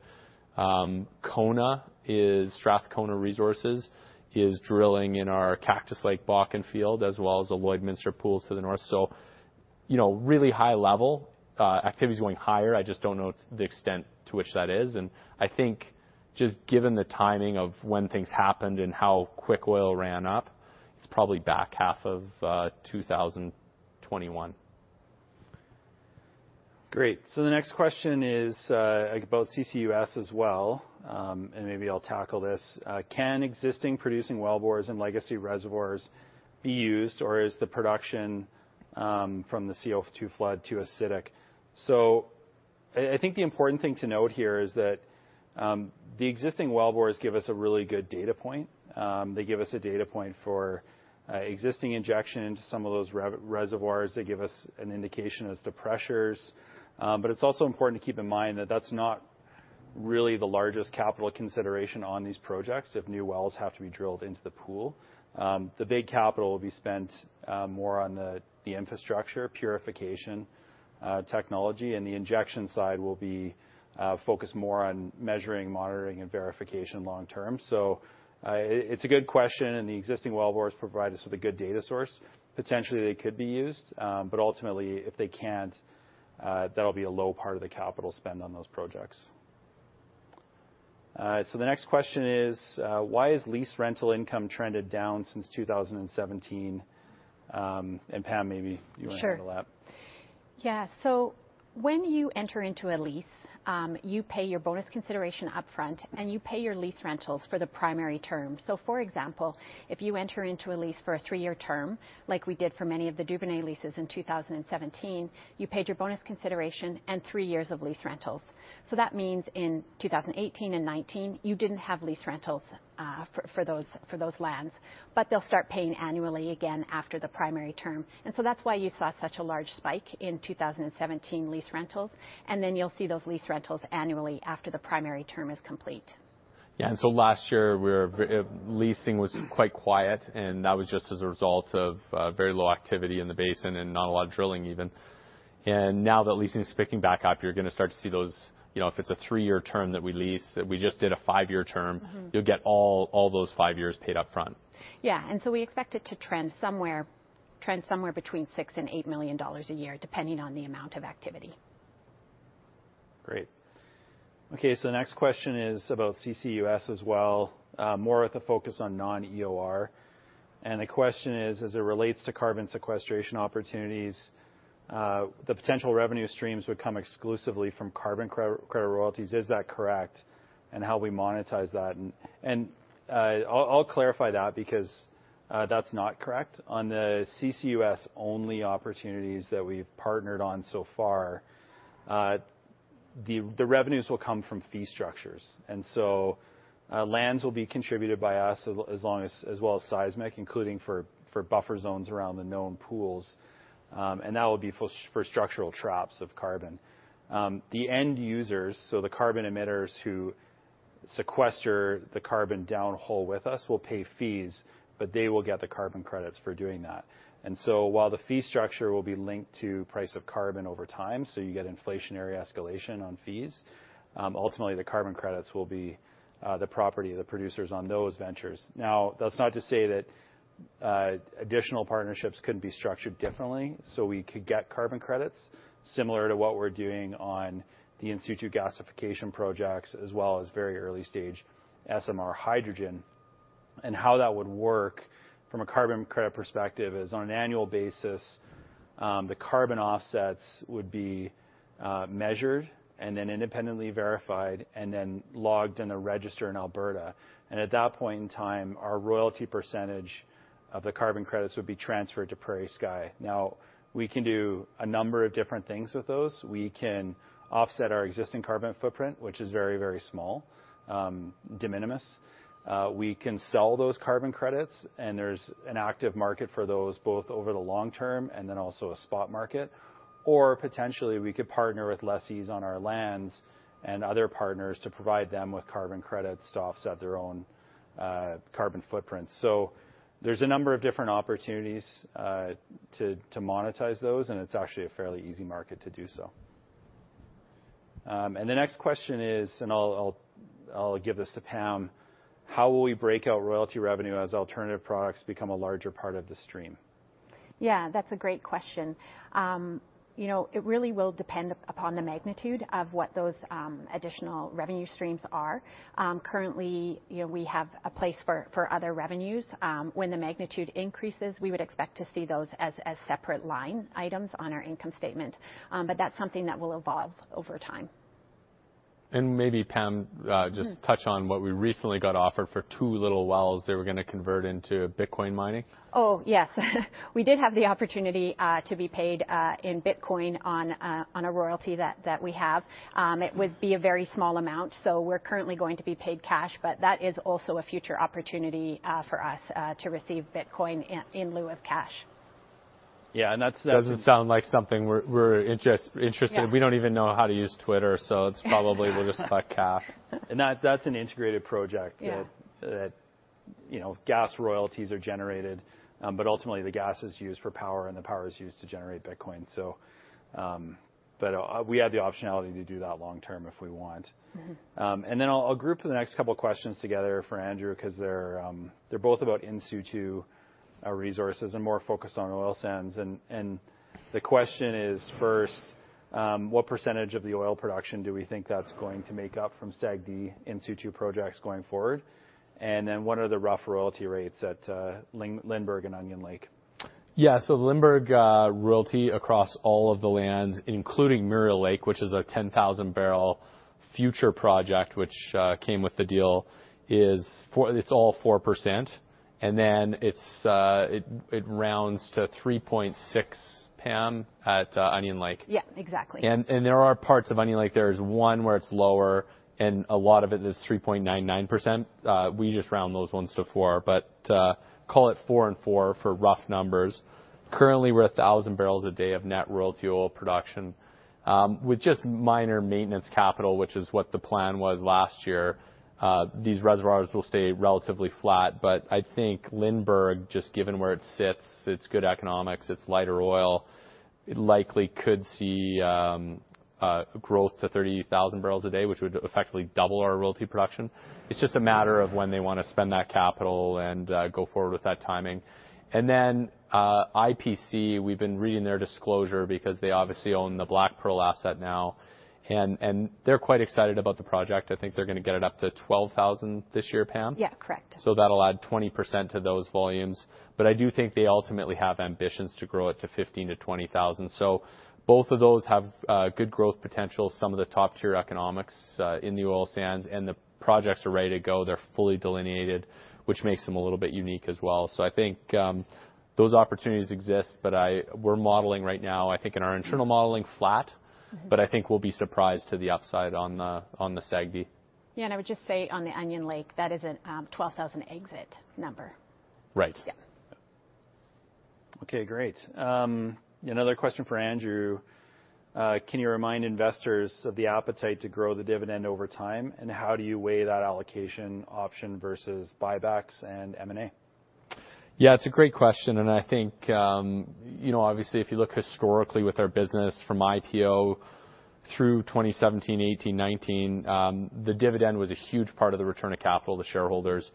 Speaker 1: Strathcona Resources is drilling in our Cactus Lake Bakken field, as well as the Lloydminster pool to the north. Really high level. Activity is going higher. I just don't know the extent to which that is. I think just given the timing of when things happened and how quick oil ran up, it's probably back half of 2021.
Speaker 2: Great. The next question is about CCUS as well, and maybe I'll tackle this. Can existing producing wellbores and legacy reservoirs be used, or is the production from the CO2 flood too acidic? I think the important thing to note here is that the existing wellbores give us a really good data point. They give us a data point for existing injection into some of those reservoirs. They give us an indication as to pressures. It's also important to keep in mind that that's not really the largest capital consideration on these projects if new wells have to be drilled into the pool. The big capital will be spent more on the infrastructure purification technology, and the injection side will be focused more on measuring, monitoring, and verification long term. It's a good question, and the existing wellbores provide us with a good data source. Potentially, they could be used. Ultimately, if they can't, that'll be a low part of the capital spend on those projects. The next question is: Why has lease rental income trended down since 2017? Pam, maybe you want to handle that.
Speaker 3: Sure. Yeah. When you enter into a lease, you pay your bonus consideration upfront, and you pay your lease rentals for the primary term. For example, if you enter into a lease for a 3-year term, like we did for many of the Duvernay leases in 2017, you paid your bonus consideration and three years of lease rentals. That means in 2018 and 2019, you didn't have lease rentals for those lands, but they'll start paying annually again after the primary term. That's why you saw such a large spike in 2017 lease rentals, and then you'll see those lease rentals annually after the primary term is complete.
Speaker 1: Yeah. Last year, leasing was quite quiet, and that was just as a result of very low activity in the basin and not a lot of drilling even. Now that leasing's picking back up, you're going to start to see those. If it's a three-year term that we lease, we just did a five-year term. You'll get all those five years paid upfront.
Speaker 3: Yeah. We expect it to trend somewhere between 6 million and 8 million dollars a year, depending on the amount of activity.
Speaker 2: Great. Okay. The next question is about CCUS as well, more with a focus on non-EOR. The question is: As it relates to carbon sequestration opportunities, the potential revenue streams would come exclusively from carbon credit royalties. Is that correct? How we monetize that. I'll clarify that because that's not correct. On the CCUS-only opportunities that we've partnered on so far, the revenues will come from fee structures. Lands will be contributed by us as well as seismic, including for buffer zones around the known pools, and that will be for structural traps of carbon. The end users, so the carbon emitters who sequester the carbon down the hole with us, will pay fees, but they will get the carbon credits for doing that. While the fee structure will be linked to price of carbon over time, so you get inflationary escalation on fees, ultimately the carbon credits will be the property of the producers on those ventures. That's not to say that additional partnerships couldn't be structured differently, so we could get carbon credits similar to what we're doing on the in situ gasification projects as well as very early stage SMR hydrogen. How that would work from a carbon credit perspective is on an annual basis, the carbon offsets would be measured and then independently verified and then logged in a register in Alberta. At that point in time, our royalty percentage of the carbon credits would be transferred to PrairieSky. We can do a number of different things with those. We can offset our existing carbon footprint, which is very, very small, de minimis. We can sell those carbon credits, and there's an active market for those, both over the long term and then also a spot market. Potentially, we could partner with lessees on our lands and other partners to provide them with carbon credits to offset their own carbon footprint. There's a number of different opportunities to monetize those, and it's actually a fairly easy market to do so. The next question is, and I'll give this to Pamela Kazeil: How will we break out royalty revenue as alternative products become a larger part of the stream?
Speaker 3: That's a great question. It really will depend upon the magnitude of what those additional revenue streams are. Currently, we have a place for other revenues. When the magnitude increases, we would expect to see those as separate line items on our income statement, but that's something that will evolve over time.
Speaker 1: Maybe, Pam, just touch on what we recently got offered for two little wells they were going to convert into Bitcoin mining.
Speaker 3: Oh, yes. We did have the opportunity to be paid in Bitcoin on a royalty that we have. It would be a very small amount, so we're currently going to be paid cash. That is also a future opportunity for us to receive Bitcoin in lieu of cash.
Speaker 2: Yeah. That doesn't sound like something we're interested in.
Speaker 3: Yeah.
Speaker 2: We don't even know how to use Twitter. We'll probably just collect cash. That's an integrated project.
Speaker 3: Yeah
Speaker 2: where gas royalties are generated. Ultimately, the gas is used for power, and the power is used to generate Bitcoin. We have the optionality to do that long term if we want. I'll group the next couple of questions together for Andrew because they're both about in situ resources and more focused on oil sands. The question is first: What percentage of the oil production do we think that's going to make up from SAGD in situ projects going forward? What are the rough royalty rates at Lindbergh and Onion Lake?
Speaker 1: Lindbergh royalty across all of the lands, including Muriel Lake, which is a 10,000-barrel future project which came with the deal is It's all 4%. It rounds to 3.6%, Pam, at Onion Lake.
Speaker 3: Yeah, exactly.
Speaker 1: There are parts of Onion Lake. There's one where it's lower, and a lot of it is 3.99%. We just round those ones to 4% but call it 4% and 4% for rough numbers. Currently, we're 1,000 barrels a day of net royalty oil production. With just minor maintenance capital, which is what the plan was last year, these reservoirs will stay relatively flat. I think Lindbergh, just given where it sits, it's good economics. It's lighter oil. It likely could see growth to 30,000 barrels a day, which would effectively double our royalty production. It's just a matter of when they want to spend that capital and go forward with that timing. IPC, we've been reading their disclosure because they obviously own the BlackPearl asset now, and they're quite excited about the project. I think they're going to get it up to 12,000 this year, Pam?
Speaker 3: Yeah. Correct.
Speaker 1: That'll add 20% to those volumes. I do think they ultimately have ambitions to grow it to 15,000-20,000. Both of those have good growth potential, some of the top-tier economics in the oil sands, and the projects are ready to go. They're fully delineated, which makes them a little bit unique as well. I think those opportunities exist, but we're modeling right now in our internal modeling flat. I think we'll be surprised to the upside on the SAGD.
Speaker 3: Yeah. I would just say on the Onion Lake, that is a 12,000 exit number.
Speaker 1: Right.
Speaker 3: Yeah.
Speaker 2: Okay. Great. Another question for Andrew. Can you remind investors of the appetite to grow the dividend over time, and how do you weigh that allocation option versus buybacks and M&A?
Speaker 1: Yeah, it's a great question. I think, obviously, if you look historically with our business from IPO through 2017, 2018, 2019, the dividend was a huge part of the return of capital to shareholders.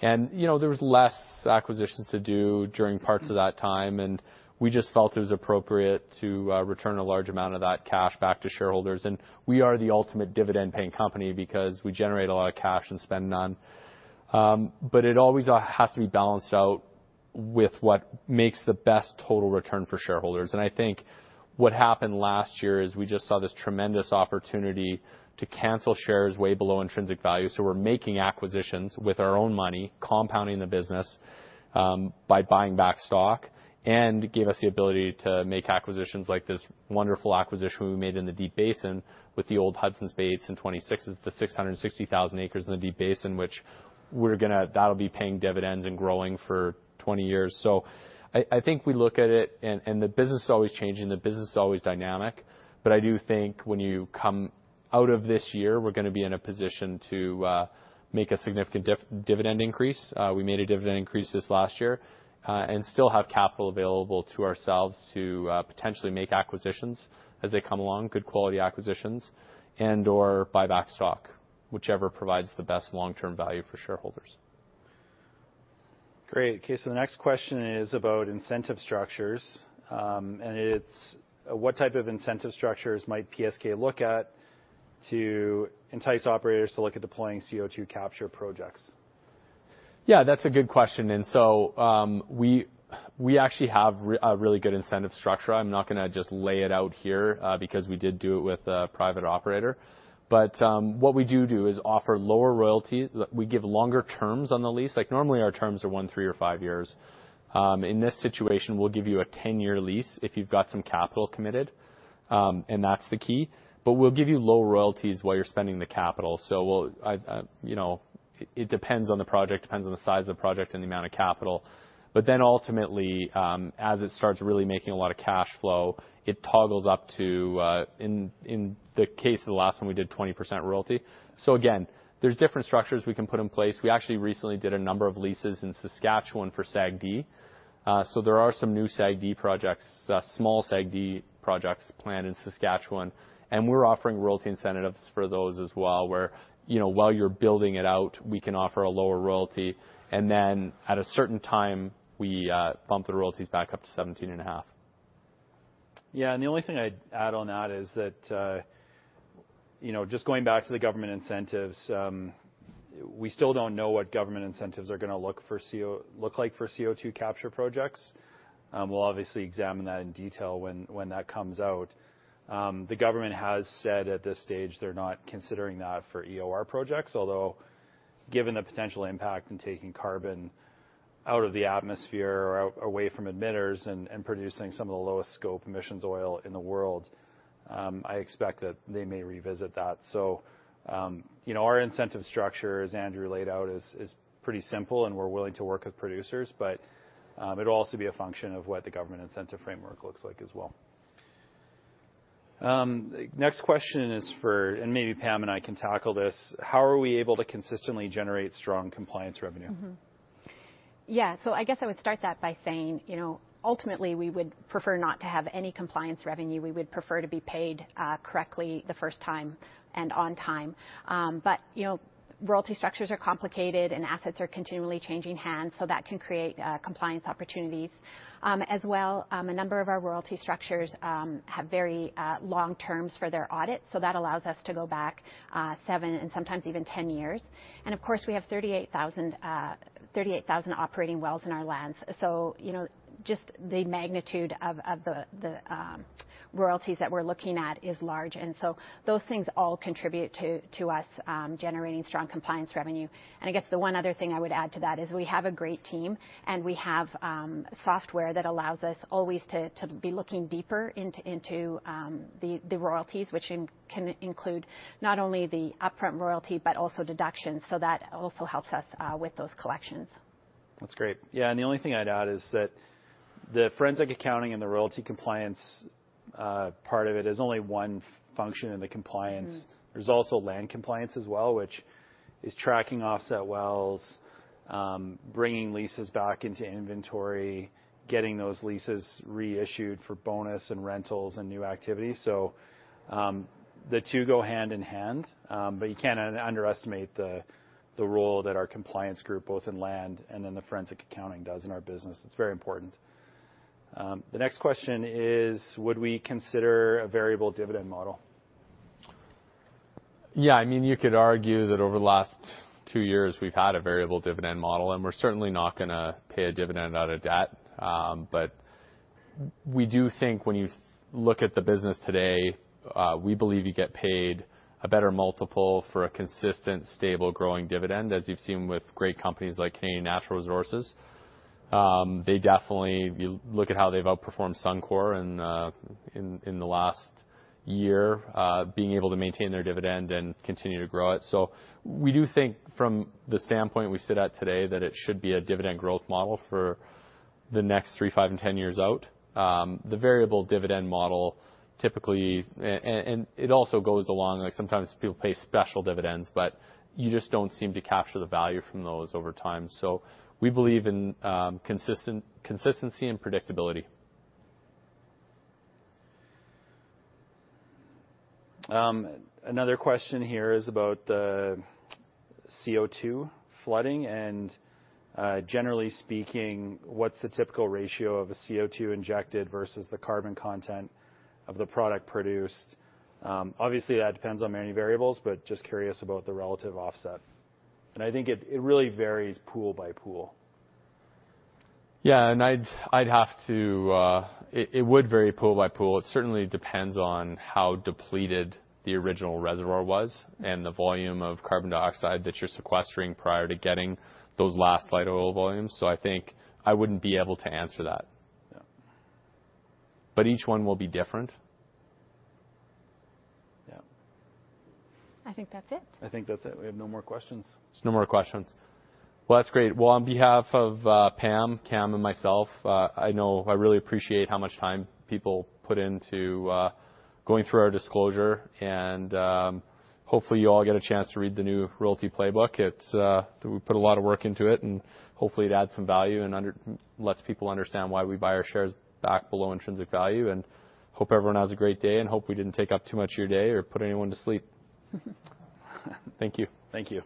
Speaker 1: There was less acquisitions to do during parts of that time, and we just felt it was appropriate to return a large amount of that cash back to shareholders. We are the ultimate dividend-paying company because we generate a lot of cash and spend none. It always has to be balanced out with what makes the best total return for shareholders. I think what happened last year is we just saw this tremendous opportunity to cancel shares way below intrinsic value. We're making acquisitions with our own money, compounding the business by buying back stock. It gave us the ability to make acquisitions like this wonderful acquisition we made in the Deep Basin with the old Hudson's Bay, it's in 26, it's the 660,000 acres in the Deep Basin, which that'll be paying dividends and growing for 20 years. I think we look at it, and the business is always changing. The business is always dynamic. I do think when you come out of this year, we're going to be in a position to make a significant dividend increase. We made a dividend increase this last year and still have capital available to ourselves to potentially make acquisitions as they come along, good quality acquisitions and/or buy back stock, whichever provides the best long-term value for shareholders.
Speaker 2: Great. Okay. The next question is about incentive structures. It's what type of incentive structures might PrairieSky Royalty look at to entice operators to look at deploying CO2 capture projects?
Speaker 1: Yeah, that's a good question. We actually have a really good incentive structure. I'm not going to just lay it out here because we did do it with a private operator. What we do do is offer lower royalties. We give longer terms on the lease. Normally, our terms are one, three, or five years. In this situation, we'll give you a 10-year lease if you've got some capital committed, and that's the key. We'll give you low royalties while you're spending the capital. It depends on the project, depends on the size of the project and the amount of capital. Ultimately, as it starts really making a lot of cash flow, it toggles up to in the case of the last one, we did 20% royalty. Again, there's different structures we can put in place. We actually recently did a number of leases in Saskatchewan for SAGD. There are some new SAGD projects, small SAGD projects planned in Saskatchewan, and we're offering royalty incentives for those as well, where while you're building it out, we can offer a lower royalty, and then at a certain time, we bump the royalties back up to 17.5%. Yeah.
Speaker 2: The only thing I'd add on that is that just going back to the government incentives, we still don't know what government incentives are going to look like for CO2 capture projects. We'll obviously examine that in detail when that comes out. The government has said at this stage they're not considering that for EOR projects, although given the potential impact in taking carbon out of the atmosphere or away from emitters and producing some of the lowest scope emissions oil in the world, I expect that they may revisit that. Our incentive structure, as Andrew laid out, is pretty simple and we're willing to work with producers, but it'll also be a function of what the government incentive framework looks like as well. Maybe Pam and I can tackle this. How are we able to consistently generate strong compliance revenue?
Speaker 3: I guess I would start that by saying ultimately, we would prefer not to have any compliance revenue. We would prefer to be paid correctly the first time and on time. Royalty structures are complicated and assets are continually changing hands, that can create compliance opportunities. As well, a number of our royalty structures have very long terms for their audits, that allows us to go back seven and sometimes even 10 years. Of course, we have 38,000 operating wells in our lands. Just the magnitude of the royalties that we're looking at is large. Those things all contribute to us generating strong compliance revenue. I guess the one other thing I would add to that is we have a great team, and we have software that allows us always to be looking deeper into the royalties, which can include not only the upfront royalty but also deductions. That also helps us with those collections.
Speaker 2: That's great. Yeah, the only thing I'd add is that the forensic accounting and the royalty compliance part of it is only one function in the compliance. There's also land compliance as well, which is tracking offset wells, bringing leases back into inventory, getting those leases reissued for bonus and rentals and new activity. The two go hand in hand, but you can't underestimate the role that our compliance group, both in land and in the forensic accounting, does in our business. It's very important. The next question is, would we consider a variable dividend model?
Speaker 1: Yeah, you could argue that over the last two years, we've had a variable dividend model, and we're certainly not going to pay a dividend out of debt. We do think when you look at the business today, we believe you get paid a better multiple for a consistent, stable, growing dividend, as you've seen with great companies like Canadian Natural Resources. If you look at how they've outperformed Suncor in the last year, being able to maintain their dividend and continue to grow it. We do think from the standpoint we sit at today, that it should be a dividend growth model for the next three, five, and 10 years out. The variable dividend model. It also goes along, like sometimes people pay special dividends, but you just don't seem to capture the value from that over time. We believe in consistency and predictability.
Speaker 2: Another question here is about the CO2 flooding and generally speaking, what's the typical ratio of a CO2 injected versus the carbon content of the product produced? Obviously, that depends on many variables, but just curious about the relative offset.
Speaker 1: I think it really varies pool by pool. Yeah, it would vary pool by pool. It certainly depends on how depleted the original reservoir was and the volume of carbon dioxide that you're sequestering prior to getting those last light oil volumes. I think I wouldn't be able to answer that.
Speaker 2: Yeah.
Speaker 1: Each one will be different.
Speaker 2: Yeah.
Speaker 1: I think that's it.
Speaker 2: I think that is it. We have no more questions.
Speaker 1: There are no more questions. Well, that's great. Well, on behalf of Pam, Cam, and myself, I know I really appreciate how much time people put into going through our disclosure. Hopefully, you all get a chance to read the new Royalty Playbook. We put a lot of work into it, and hopefully, it adds some value and lets people understand why we buy our shares back below intrinsic value. Hope everyone has a great day and hope we didn't take up too much of your day or put anyone to sleep. Thank you.
Speaker 2: Thank you.